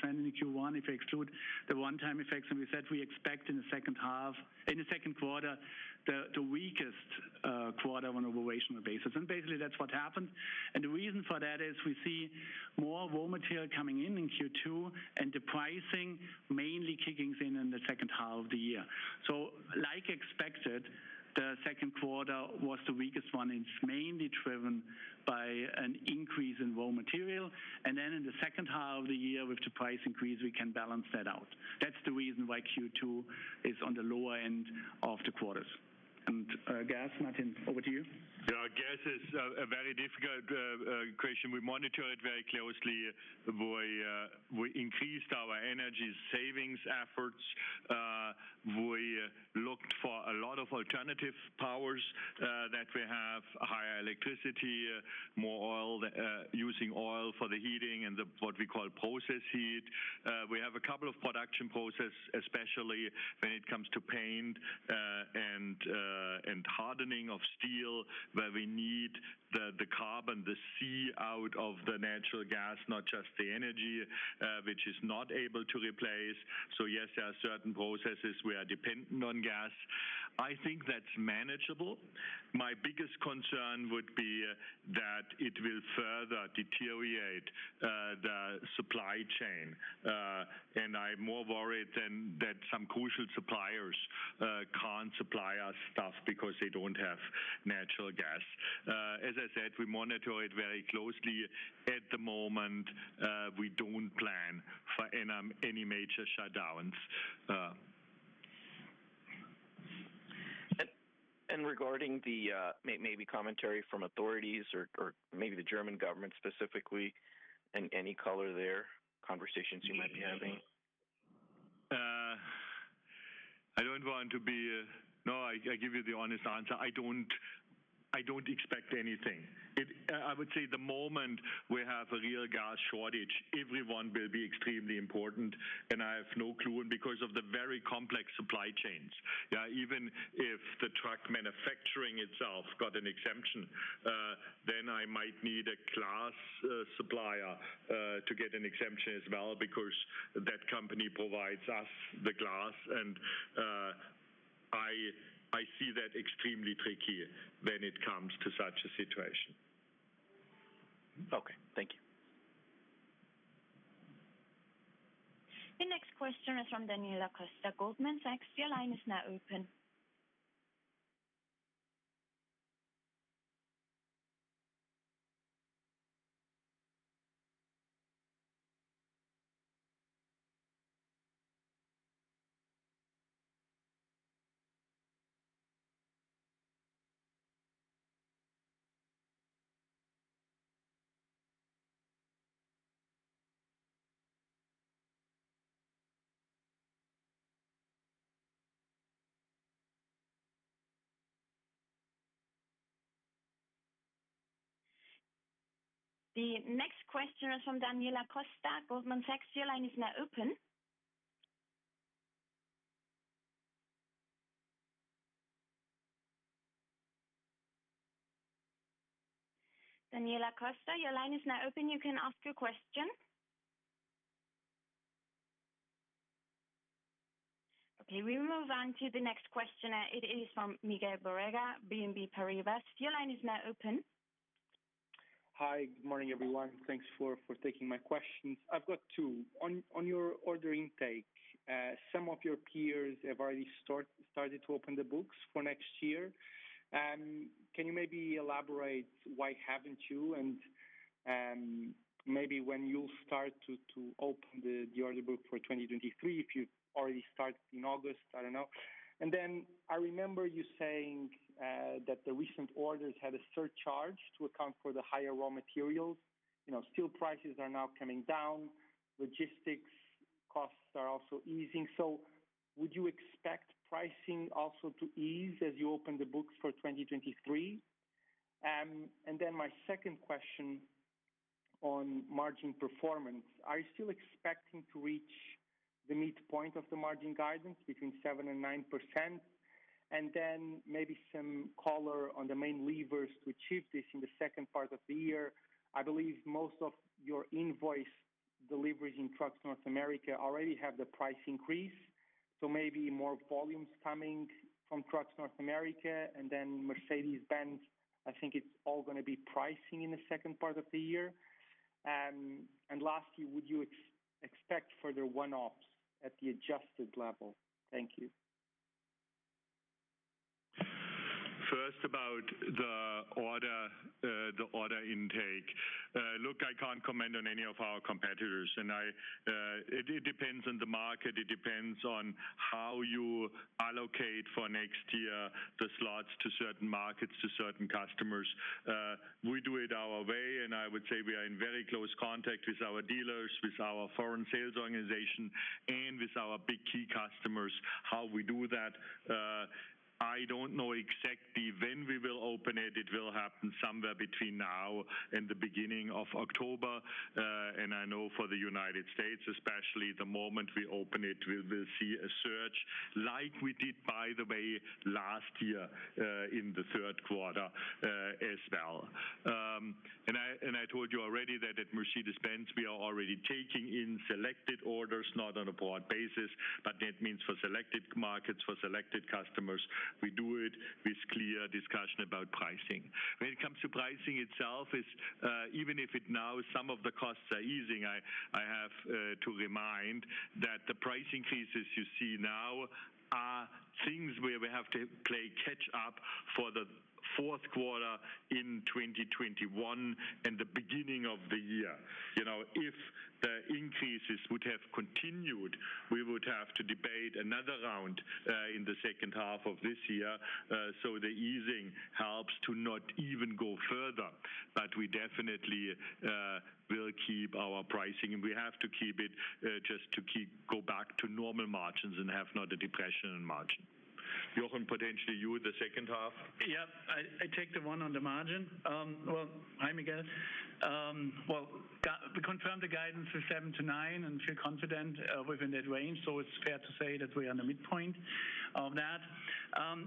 [SPEAKER 3] in Q1 if you exclude the one-time effects. We said we expect in the second half, in the second quarter, the weakest quarter on an operational basis. Basically that's what happened. The reason for that is we see more raw material coming in in Q2 and the pricing mainly kicking in in the second half of the year. Like expected, the second quarter was the weakest one. It's mainly driven by Increase in raw material. Then in the second half of the year, with the price increase, we can balance that out. That's the reason why Q2 is on the lower end of the quarters. Klas, Martin, over to you.
[SPEAKER 2] Yeah, gas is a very difficult question. We monitor it very closely. We increased our energy savings efforts. We looked for a lot of alternative powers that we have. Higher electricity, more oil, using oil for the heating and the, what we call process heat. We have a couple of production process, especially when it comes to paint and hardening of steel, where we need the carbon, the C out of the natural gas, not just the energy, which is not able to replace. Yes, there are certain processes we are dependent on gas. I think that's manageable. My biggest concern would be that it will further deteriorate the supply chain. I'm more worried than that some crucial suppliers can't supply us stuff because they don't have natural gas. As I said, we monitor it very closely. At the moment, we don't plan for any major shutdowns.
[SPEAKER 3] Regarding the maybe commentary from authorities or maybe the German government specifically, and any color there, conversations you might be having?
[SPEAKER 2] I give you the honest answer. I don't expect anything. I would say the moment we have a real gas shortage, everyone will be extremely important, and I have no clue. Because of the very complex supply chains, yeah, even if the truck manufacturing itself got an exemption, then I might need a glass supplier to get an exemption as well because that company provides us the glass. I see that extremely tricky when it comes to such a situation.
[SPEAKER 3] Okay. Thank you.
[SPEAKER 4] The next question is from Daniela Costa, Goldman Sachs. Your line is now open. The next question is from Daniela Costa, Goldman Sachs. Your line is now open. Daniela Costa, your line is now open. You can ask your question. Okay, we move on to the next questioner. It is from Miguel Borrega, BNP Paribas. Your line is now open.
[SPEAKER 8] Hi. Good morning, everyone. Thanks for taking my questions. I've got two. On your order intake, some of your peers have already started to open the books for next year. Can you maybe elaborate why haven't you and maybe when you'll start to open the order book for 2023, if you already start in August? I don't know. Then I remember you saying that the recent orders had a surcharge to account for the higher raw materials. You know, steel prices are now coming down. Logistics costs are also easing. Would you expect pricing also to ease as you open the books for 2023? My second question on margin performance. Are you still expecting to reach the midpoint of the margin guidance between 7%-9%? Maybe some color on the main levers to achieve this in the second part of the year. I believe most of your invoice deliveries in Trucks North America already have the price increase, so maybe more volumes coming from Trucks North America. Mercedes-Benz, I think it's all gonna be pricing in the second part of the year. Lastly, would you expect further one-offs at the adjusted level? Thank you.
[SPEAKER 2] First, about the order intake. Look, I can't comment on any of our competitors. It depends on the market. It depends on how you allocate for next year the slots to certain markets, to certain customers. We do it our way, and I would say we are in very close contact with our dealers, with our foreign sales organization, and with our big key customers, how we do that. I don't know exactly when we will open it. It will happen somewhere between now and the beginning of October. I know for the United States especially, the moment we open it, we will see a surge like we did, by the way, last year, in the third quarter, as well. I told you already that at Mercedes-Benz we are already taking in selected orders, not on a broad basis. That means for selected markets, for selected customers, we do it with clear discussion about pricing. When it comes to pricing itself, even if it now some of the costs are easing, I have to remind that the price increases you see now Things where we have to play catch up for the fourth quarter in 2021 and the beginning of the year. You know, if the increases would have continued, we would have to debate another round in the second half of this year. The easing helps to not even go further, but we definitely will keep our pricing and we have to keep it just to keep go back to normal margins and have not a depression in margin. Jochen, potentially you the second half.
[SPEAKER 3] Yeah. I take the one on the margin. Well, hi again. Well, we confirm the guidance for 7%-9% and feel confident within that range, so it's fair to say that we are in the midpoint of that.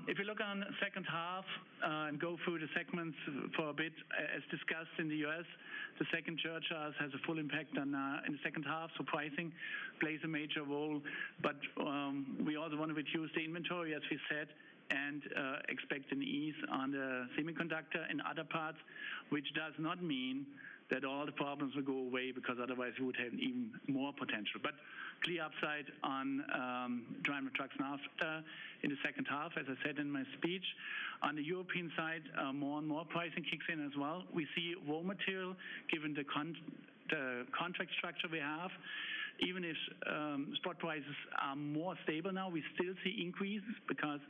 [SPEAKER 3] If you look on second half and go through the segments for a bit, as discussed in the U.S., the second surcharge has a full impact in the second half, so pricing plays a major role. We also want to reduce the inventory, as we said, and expect an ease on the semiconductor and other parts, which does not mean that all the problems will go away because otherwise we would have even more potential. Clear upside on Daimler Trucks and aftersales in the second half, as I said in my speech. On the European side, more and more pricing kicks in as well. We see raw material, given the contract structure we have. Even if, stock prices are more stable now, we still see increases because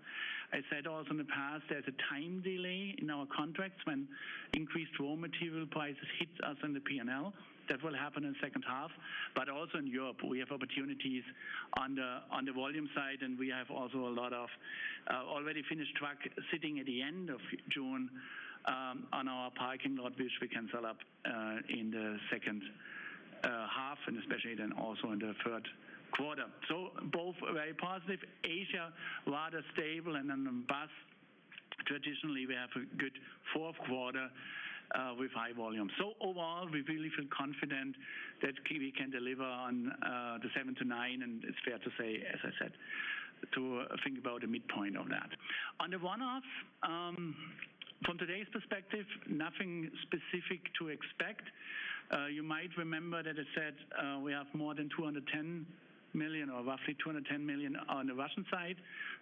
[SPEAKER 3] I said also in the past, there's a time delay in our contracts when increased raw material prices hit us in the P&L. That will happen in second half. also in Europe, we have opportunities on the volume side, and we have also a lot of already finished truck sitting at the end of June on our parking lot, which we can sell up in the second half and especially then also in the third quarter. both very positive. Asia, rather stable, and then on bus, traditionally we have a good fourth quarter with high volume. Overall, we really feel confident that we can deliver on the 7%-9%, and it's fair to say, as I said, to think about the midpoint of that. On the one-off, from today's perspective, nothing specific to expect. You might remember that I said we have more than 210 million or roughly 210 million on the Russian side.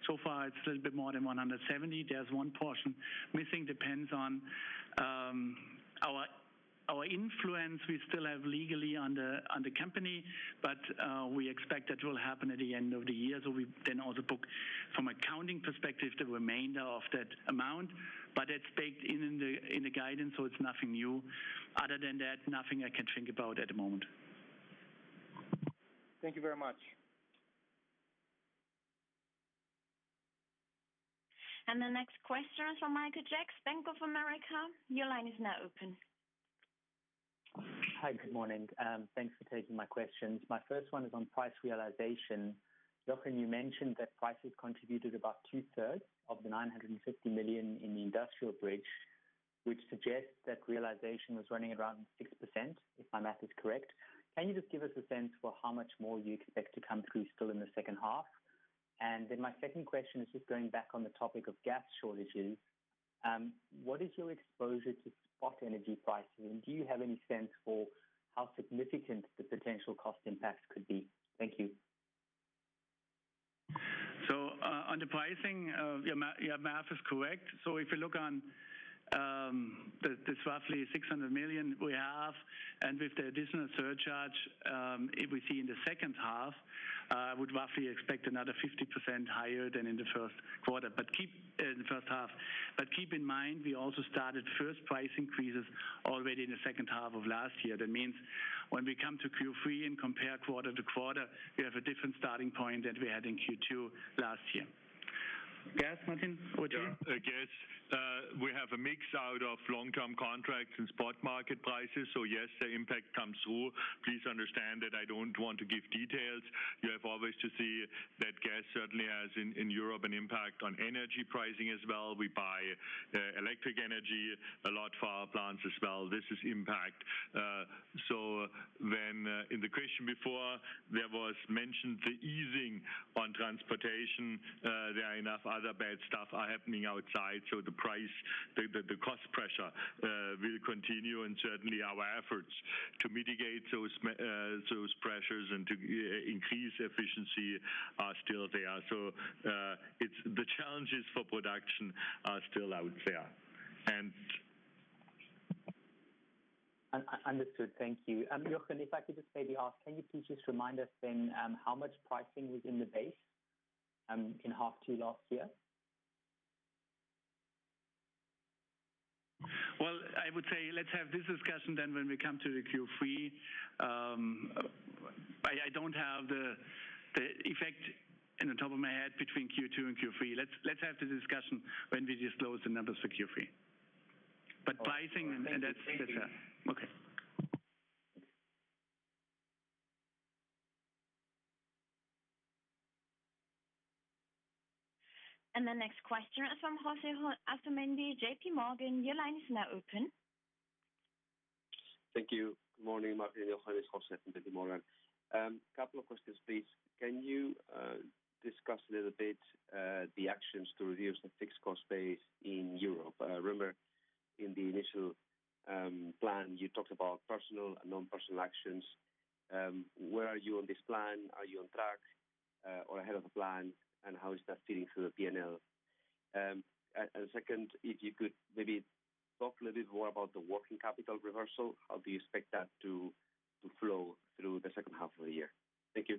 [SPEAKER 3] So far, it's a little bit more than 170 million. There's one portion we think depends on our influence we still have legally on the company, but we expect that will happen at the end of the year. So we then also book from accounting perspective the remainder of that amount. But it's baked in the guidance, so it's nothing new. Other than that, nothing I can think about at the moment.
[SPEAKER 2] Thank you very much.
[SPEAKER 4] The next question is from Michael Jacks, Bank of America. Your line is now open.
[SPEAKER 9] Hi, good morning. Thanks for taking my questions. My first one is on price realization. Jochen, you mentioned that prices contributed about two-thirds of the 950 million in the industrial bridge, which suggests that realization was running around 6%, if my math is correct. Can you just give us a sense for how much more you expect to come through still in the second half? My second question is just going back on the topic of gas shortages. What is your exposure to spot energy pricing, and do you have any sense for how significant the potential cost impact could be? Thank you.
[SPEAKER 2] On the pricing, your math is correct. If you look at this roughly 600 million we have, and with the additional surcharge, if we see in the second half, would roughly expect another 50% higher than in the first half. Keep in mind, we also started first price increases already in the second half of last year. That means when we come to Q3 and compare quarter to quarter, we have a different starting point than we had in Q2 last year.
[SPEAKER 9] Klas, Martin, or-
[SPEAKER 2] Yeah. Gas. We have a mix out of long-term contracts and spot market prices. Yes, the impact comes through. Please understand that I don't want to give details. You have always to see that gas certainly has in Europe an impact on energy pricing as well. We buy electric energy a lot for our plants as well. This is impact. When in the question before, there was mentioned the easing on transportation. There are enough other bad stuff happening outside, so the price, the cost pressure will continue and certainly our efforts to mitigate those pressures and to increase efficiency are still there. It's the challenges for production are still out there.
[SPEAKER 9] Understood. Thank you. Jochen, if I could just maybe ask, can you please just remind us then, how much pricing was in the base, in half two last year?
[SPEAKER 2] Well, I would say let's have this discussion then when we come to the Q3. I don't have the effect off the top of my head between Q2 and Q3. Let's have the discussion when we disclose the numbers for Q3. Pricing.
[SPEAKER 9] All right. Thank you.
[SPEAKER 2] That's okay.
[SPEAKER 4] The next question is from Jose Asumendi, J.P. Morgan. Your line is now open.
[SPEAKER 10] Thank you. Good morning, Martin and Jochen. It's Jose from J.P. Morgan. Couple of questions, please. Can you discuss a little bit the actions to reduce the fixed cost base in Europe? In the initial plan, you talked about personnel and non-personnel actions. Where are you on this plan? Are you on track or ahead of the plan? How is that feeding through the P&L? Second, if you could maybe talk a little bit more about the working capital reversal. How do you expect that to flow through the second half of the year? Thank you.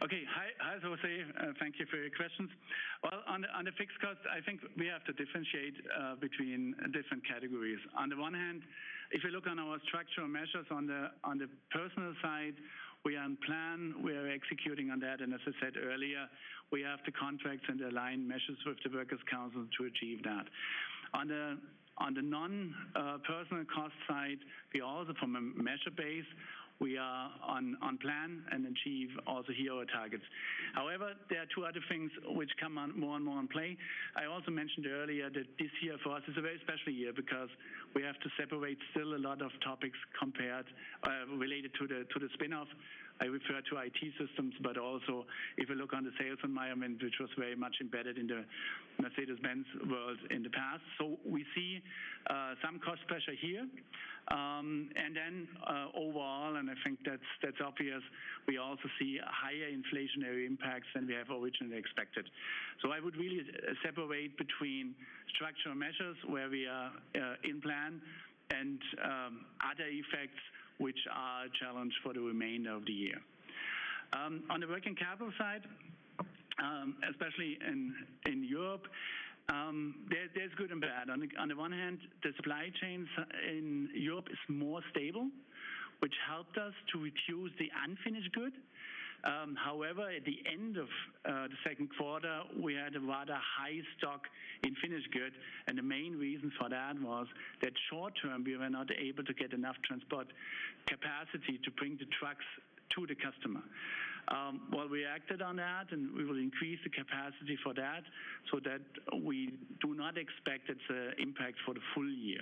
[SPEAKER 2] Okay. Hi, hi Jose. Thank you for your questions. Well, on the fixed cost, I think we have to differentiate between different categories. On the one hand, if you look on our structural measures on the personnel side, we are on plan. We are executing on that. And as I said earlier, we have the contracts and aligned measures with the works council to achieve that. On the non-personnel cost side, we also from a measure base, we are on plan and achieve also here our targets. However, there are two other things which come on more and more in play. I also mentioned earlier that this year for us is a very special year because we have to separate still a lot of topics compared related to the spin-off. I refer to IT systems, but also if you look on the sales environment, which was very much embedded in the Mercedes-Benz world in the past. We see some cost pressure here. Overall, and I think that's obvious, we also see higher inflationary impacts than we have originally expected. I would really separate between structural measures, where we are in plan, and other effects which are a challenge for the remainder of the year. On the working capital side, especially in Europe, there's good and bad. On the one hand, the supply chains in Europe is more stable, which helped us to reduce the unfinished good. However, at the end of the second quarter, we had a rather high stock of finished goods, and the main reason for that was that short-term, we were not able to get enough transport capacity to bring the trucks to the customer. Well, we acted on that, and we will increase the capacity for that so that we do not expect it to impact for the full year.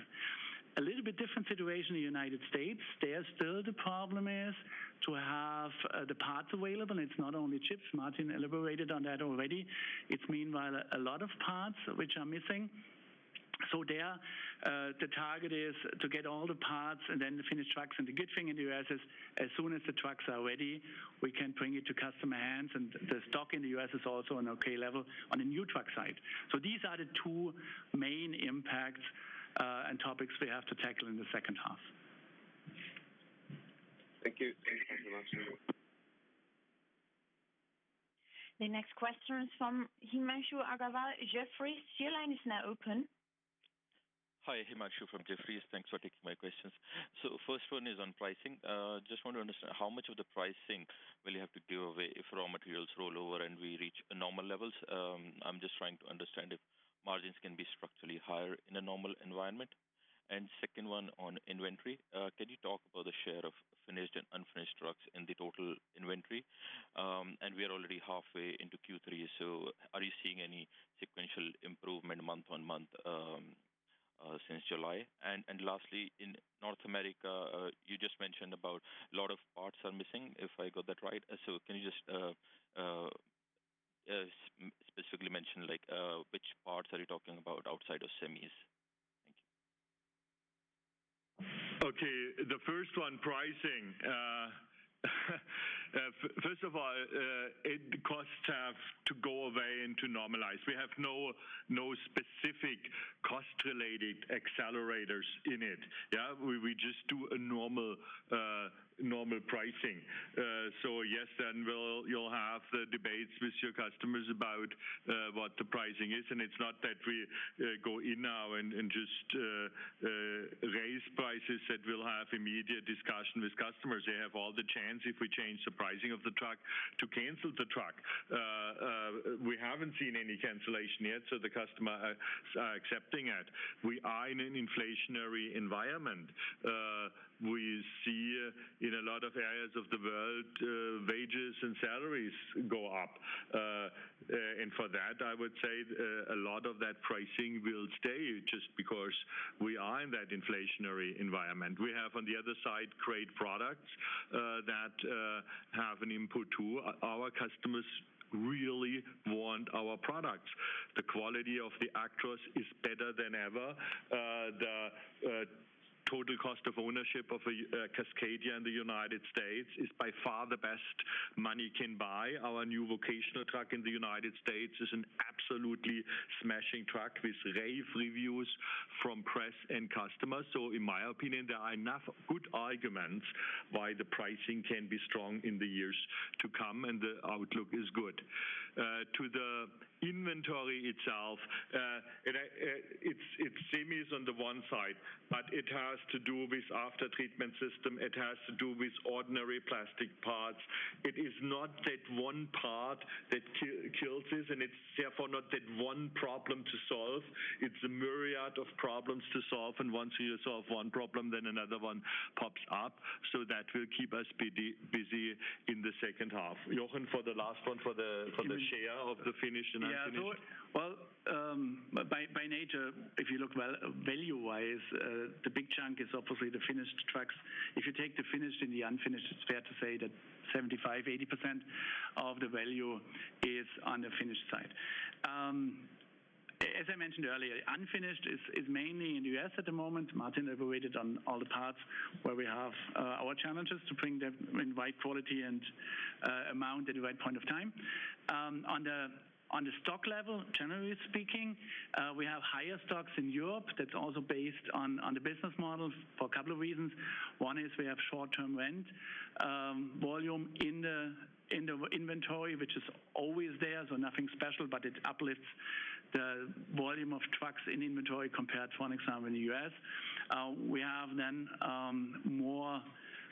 [SPEAKER 2] A little bit different situation in the United States. There, still the problem is to have the parts available. It's not only chips. Martin elaborated on that already. It's meanwhile a lot of parts which are missing. There, the target is to get all the parts and then the finished trucks. The good thing in the U.S. is, as soon as the trucks are ready, we can bring it to customer hands. The stock in the U.S. is also an okay level on the new truck side. These are the two main impacts, and topics we have to tackle in the second half.
[SPEAKER 10] Thank you. Thank you very much.
[SPEAKER 4] The next question is from Himanshu Agarwal, Jefferies. Your line is now open.
[SPEAKER 11] Hi, Himanshu Agarwal from Jefferies. Thanks for taking my questions. First one is on pricing. Just want to understand, how much of the pricing will you have to give away if raw materials roll over and we reach normal levels? I'm just trying to understand if margins can be structurally higher in a normal environment. Second one on inventory. Can you talk about the share of finished and unfinished trucks in the total inventory? We are already halfway into Q3, so are you seeing any sequential improvement month-on-month since July? Lastly, in North America, you just mentioned about a lot of parts are missing, if I got that right. Can you just specifically mention like which parts are you talking about outside of semis? Thank you.
[SPEAKER 2] Okay, the first one, pricing. First of all, the costs have to go away and to normalize. We have no specific cost-related accelerators in it. We just do a normal pricing. So yes, then you'll have the debates with your customers about what the pricing is. It's not that we go in now and just raise prices that will have immediate discussion with customers. They have all the chance if we change the pricing of the truck to cancel the truck. We haven't seen any cancellation yet, so the customers are accepting it. We are in an inflationary environment. We see in a lot of areas of the world, wages and salaries go up. For that, I would say a lot of that pricing will stay just because we are in that inflationary environment. We have on the other side great products that have an input too. Our customers really want our products. The quality of the Actros is better than ever. The total cost of ownership of a Cascadia in the United States is by far the best money can buy. Our new vocational truck in the United States is an absolutely smashing truck with rave reviews from press and customers. In my opinion, there are enough good arguments why the pricing can be strong in the years to come, and the outlook is good. To the inventory itself, it's semis on the one side, but it has to do with aftertreatment system. It has to do with ordinary plastic parts. It is not that one part that kills this, and it's therefore not that one problem to solve. It's a myriad of problems to solve. Once you solve one problem, then another one pops up. That will keep us busy in the second half. Jochen, for the last one, for the share of the finished and unfinished.
[SPEAKER 10] Yeah. Well,
[SPEAKER 3] By nature, if you look well value-wise, the big chunk is obviously the finished trucks. If you take the finished and the unfinished, it's fair to say that 75%-80% of the value is on the finished side. As I mentioned earlier, unfinished is mainly in the U.S. at the moment. Martin elaborated on all the parts where we have our challenges to bring them in right quality and amount at the right point of time. On the stock level, generally speaking, we have higher stocks in Europe that's also based on the business models for a couple of reasons. One is we have short-term rent volume in the inventory, which is always there, so nothing special, but it uplifts the volume of trucks in inventory compared to, for example, in the U.S.
[SPEAKER 2] We have then more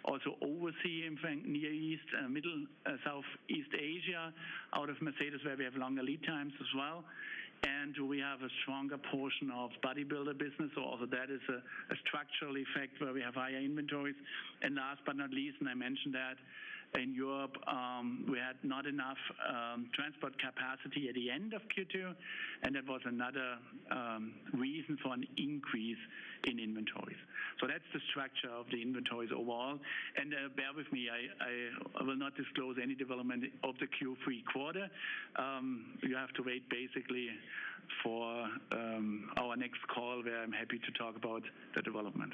[SPEAKER 2] also overseas, in fact, Near East and Middle East, Southeast Asia, out of Mercedes, where we have longer lead times as well. We have a stronger portion of body builder business, so also that is a structural effect where we have higher inventories. Last but not least, I mentioned that in Europe, we had not enough transport capacity at the end of Q2, and that was another reason for an increase in inventories. That's the structure of the inventories overall. Bear with me, I will not disclose any development of the Q3 quarter. You have to wait basically for our next call, where I'm happy to talk about the development.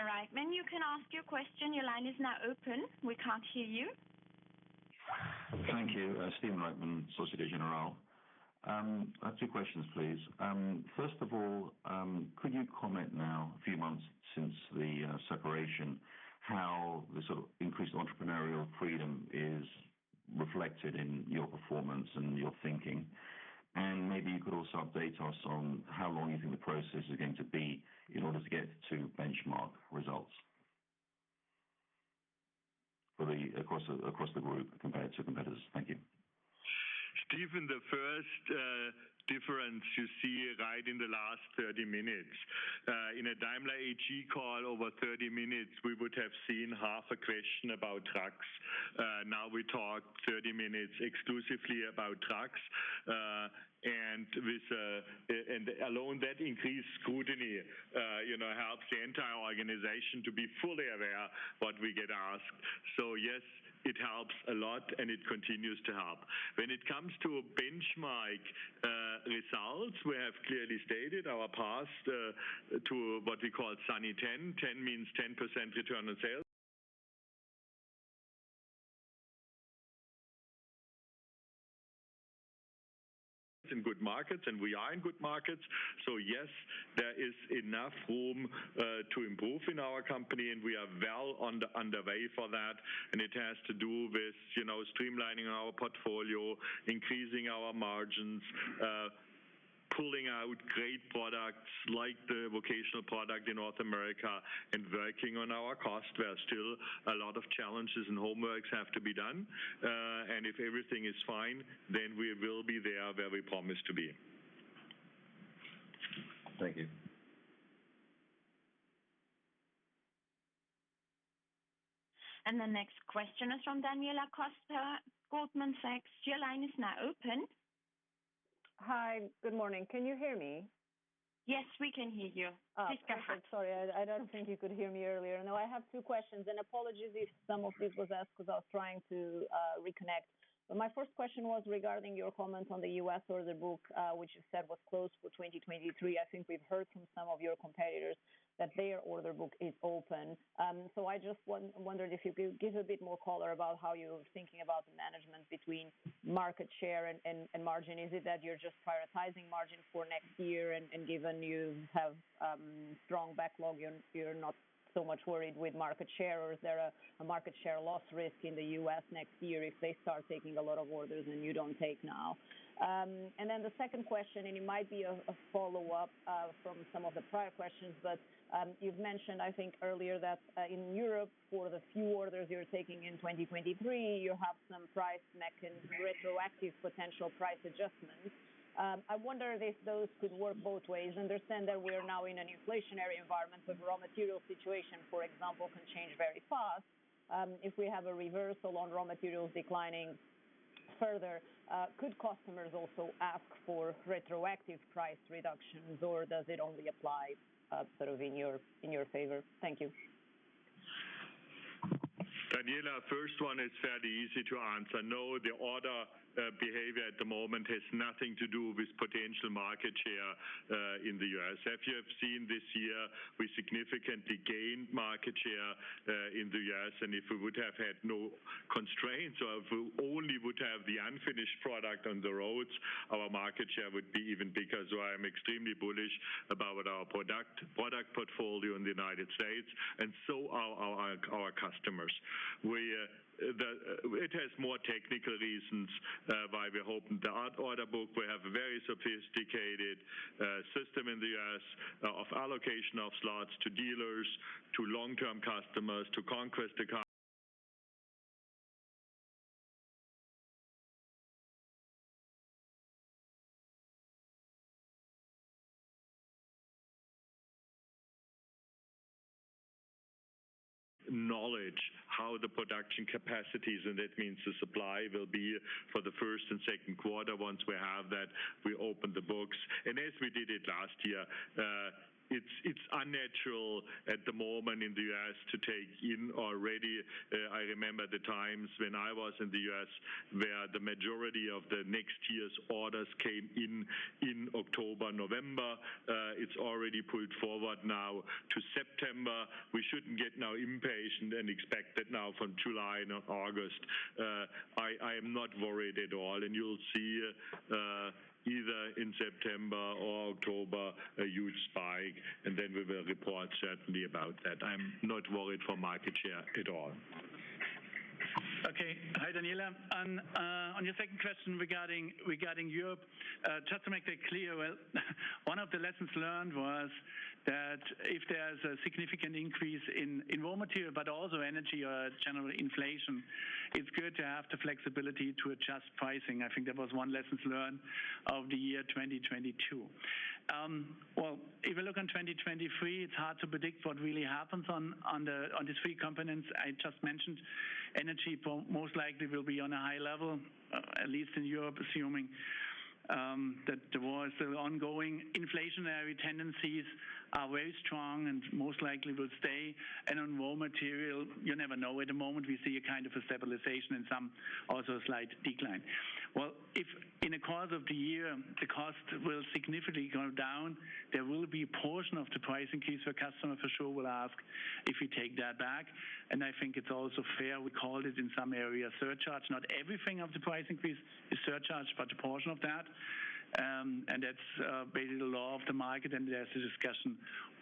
[SPEAKER 4] Mr. Reichman, you can ask your question. Your line is now open. We can't hear you.
[SPEAKER 12] Thank you. Stéphane Reichman, Société Générale. I have two questions, please. First of all, could you comment now, a few months since the separation, how the sort of increased entrepreneurial freedom is reflected in your performance and your thinking? Maybe you could also update us on how long you think the process is going to be in order to get to benchmark results across the group compared to competitors. Thank you.
[SPEAKER 2] Stéphane, the first difference you see right in the last 30 minutes. In a Daimler AG call over 30 minutes, we would have seen half a question about trucks. Now we talk 30 minutes exclusively about trucks. And, with that alone, increased scrutiny, you know, helps the entire organization to be fully aware what we get asked. Yes, it helps a lot, and it continues to help. When it comes to benchmark results, we have clearly stated our path to what we call 10. 10 means 10% return on sales. In good markets, and we are in good markets. Yes, there is enough room to improve in our company, and we are well under way for that. It has to do with, you know, streamlining our portfolio, increasing our margins, pulling out great products like the vocational product in North America and working on our cost. There are still a lot of challenges and homework has to be done. If everything is fine, then we will be there where we promise to be.
[SPEAKER 12] Thank you.
[SPEAKER 4] The next question is from Daniela Costa, Goldman Sachs. Your line is now open.
[SPEAKER 13] Hi. Good morning. Can you hear me?
[SPEAKER 4] Yes, we can hear you.
[SPEAKER 13] Oh.
[SPEAKER 4] Please go ahead.
[SPEAKER 14] Sorry, I don't think you could hear me earlier. No, I have two questions, and apologies if some of this was asked because I was trying to reconnect. My first question was regarding your comment on the US order book, which you said was closed for 2023. I think we've heard from some of your competitors that their order book is open. I just wondered if you could give a bit more color about how you're thinking about the management between market share and margin. Is it that you're just prioritizing margin for next year and given you have strong backlog, you're not so much worried with market share? Or is there a market share loss risk in the US next year if they start taking a lot of orders and you don't take now?
[SPEAKER 13] The second question, and it might be a follow-up from some of the prior questions, but you've mentioned, I think earlier that in Europe, for the few orders you're taking in 2023, you have some price mechanism, retroactive potential price adjustments. I wonder if those could work both ways. Understand that we're now in an inflationary environment where raw material situation, for example, can change very fast. If we have a reversal on raw materials declining further, could customers also ask for retroactive price reductions, or does it only apply sort of in your favor? Thank you.
[SPEAKER 2] Daniela, first one is fairly easy to answer. No, the order behavior at the moment has nothing to do with potential market share in the U.S. If you have seen this year, we significantly gained market share in the U.S. If we would have had no constraints or if we only would have the unfinished product on the roads, our market share would be even bigger. I am extremely bullish about our product. Our portfolio in the United States and so are our customers. It has more technical reasons why we opened the order book. We have a very sophisticated system in the U.S. of allocation of slots to dealers, to long-term customers, to conquest accounts, knowledge of how the production capacities, and that means the supply, will be for the first and second quarter. Once we have that, we open the books. As we did it last year, it's unnatural at the moment in the U.S. to take in already. I remember the times when I was in the U.S., where the majority of the next year's orders came in October, November. It's already pulled forward now to September. We shouldn't get now impatient and expect that now from July and August. I am not worried at all, and you'll see, either in September or October, a huge spike, and then we will report certainly about that. I'm not worried for market share at all.
[SPEAKER 3] Okay. Hi, Daniela. On your second question regarding Europe, just to make that clear, well, one of the lessons learned was that if there's a significant increase in raw material, but also energy or general inflation, it's good to have the flexibility to adjust pricing. I think that was one lesson learned of the year 2022. Well, if you look on 2023, it's hard to predict what really happens on the three components I just mentioned. Energy prices most likely will be on a high level, at least in Europe, assuming that the ongoing inflationary tendencies are very strong and most likely will stay. On raw material, you never know. At the moment, we see a kind of a stabilization and some also a slight decline. Well, if in the course of the year, the cost will significantly go down, there will be a portion of the price increase where customer for sure will ask if we take that back, and I think it's also fair. We called it in some area surcharge. Not everything of the price increase is surcharge, but a portion of that. That's basically the law of the market, and there's a discussion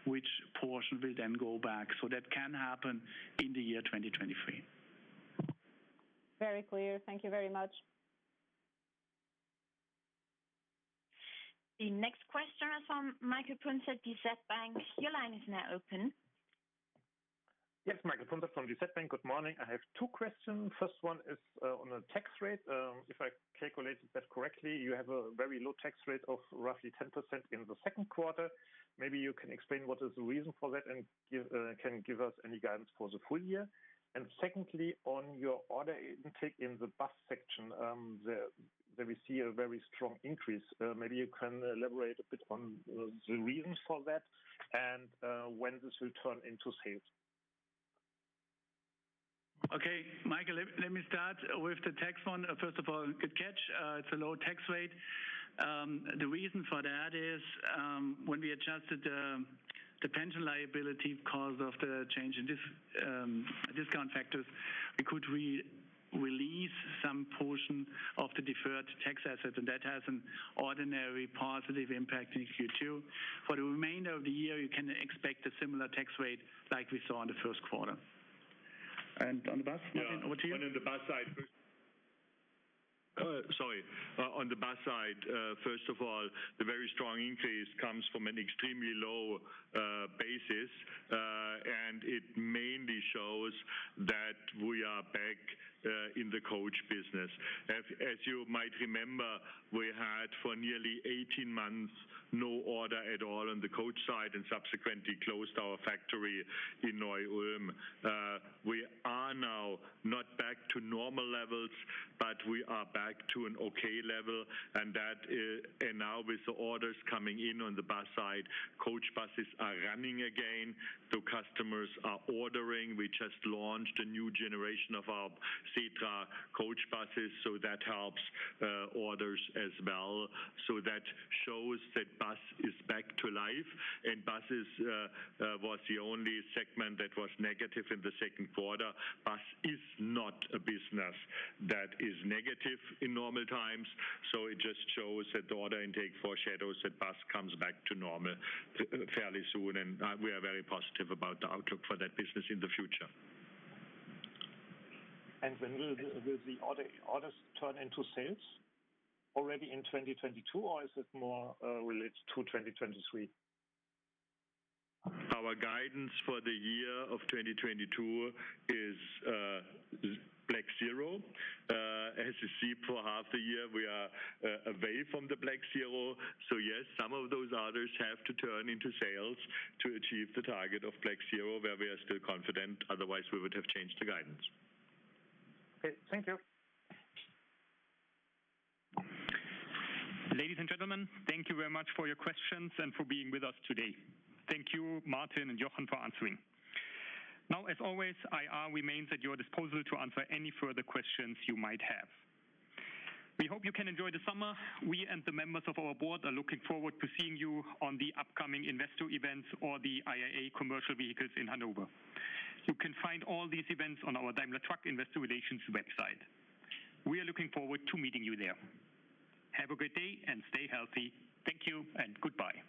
[SPEAKER 3] which portion will then go back. That can happen in the year 2023.
[SPEAKER 14] Very clear. Thank you very much.
[SPEAKER 1] The next question is from Michael Punzet, DZ Bank. Your line is now open.
[SPEAKER 15] Yes, Michael Punzet from DZ Bank. Good morning. I have two questions. First one is on the tax rate. If I calculated that correctly, you have a very low tax rate of roughly 10% in the second quarter. Maybe you can explain what is the reason for that and can give us any guidance for the full year. Secondly, on your order intake in the bus section, there we see a very strong increase. Maybe you can elaborate a bit on the reasons for that and when this will turn into sales.
[SPEAKER 3] Okay, Michael, let me start with the tax one. First of all, good catch. It's a low tax rate. The reason for that is, when we adjusted the pension liability because of the change in discount factors, we could re-release some portion of the deferred tax assets, and that has an ordinary positive impact in Q2. For the remainder of the year, you can expect a similar tax rate like we saw in the first quarter.
[SPEAKER 2] On the bus, Martin, over to you.
[SPEAKER 3] Yeah.
[SPEAKER 2] On the bus side, first of all, the very strong increase comes from an extremely low basis, and it mainly shows that we are back in the coach business. As you might remember, we had, for nearly 18 months, no order at all on the coach side and subsequently closed our factory in Neu-Ulm. We are now not back to normal levels, but we are back to an okay level, and that now with the orders coming in on the bus side, coach buses are running again, so customers are ordering. We just launched a new generation of our Setra coach buses, so that helps orders as well. That shows that bus is back to life, and buses was the only segment that was negative in the second quarter. Bus is not a business that is negative in normal times, so it just shows that the order intake foreshadows that bus comes back to normal fairly soon, and we are very positive about the outlook for that business in the future.
[SPEAKER 15] When will the orders turn into sales? Already in 2022, or is it more related to 2023?
[SPEAKER 2] Our guidance for the year of 2022 is black zero. As you see, for half the year, we are away from the black zero. Yes, some of those orders have to turn into sales to achieve the target of black zero, where we are still confident. Otherwise, we would have changed the guidance.
[SPEAKER 15] Okay. Thank you.
[SPEAKER 1] Ladies and gentlemen, thank you very much for your questions and for being with us today. Thank you, Martin and Jochen, for answering. Now, as always, IR remains at your disposal to answer any further questions you might have. We hope you can enjoy the summer. We and the members of our board are looking forward to seeing you on the upcoming investor events or the IAA Transportation in Hanover. You can find all these events on our Daimler Truck Investor Relations website. We are looking forward to meeting you there. Have a great day, and stay healthy. Thank you, and goodbye.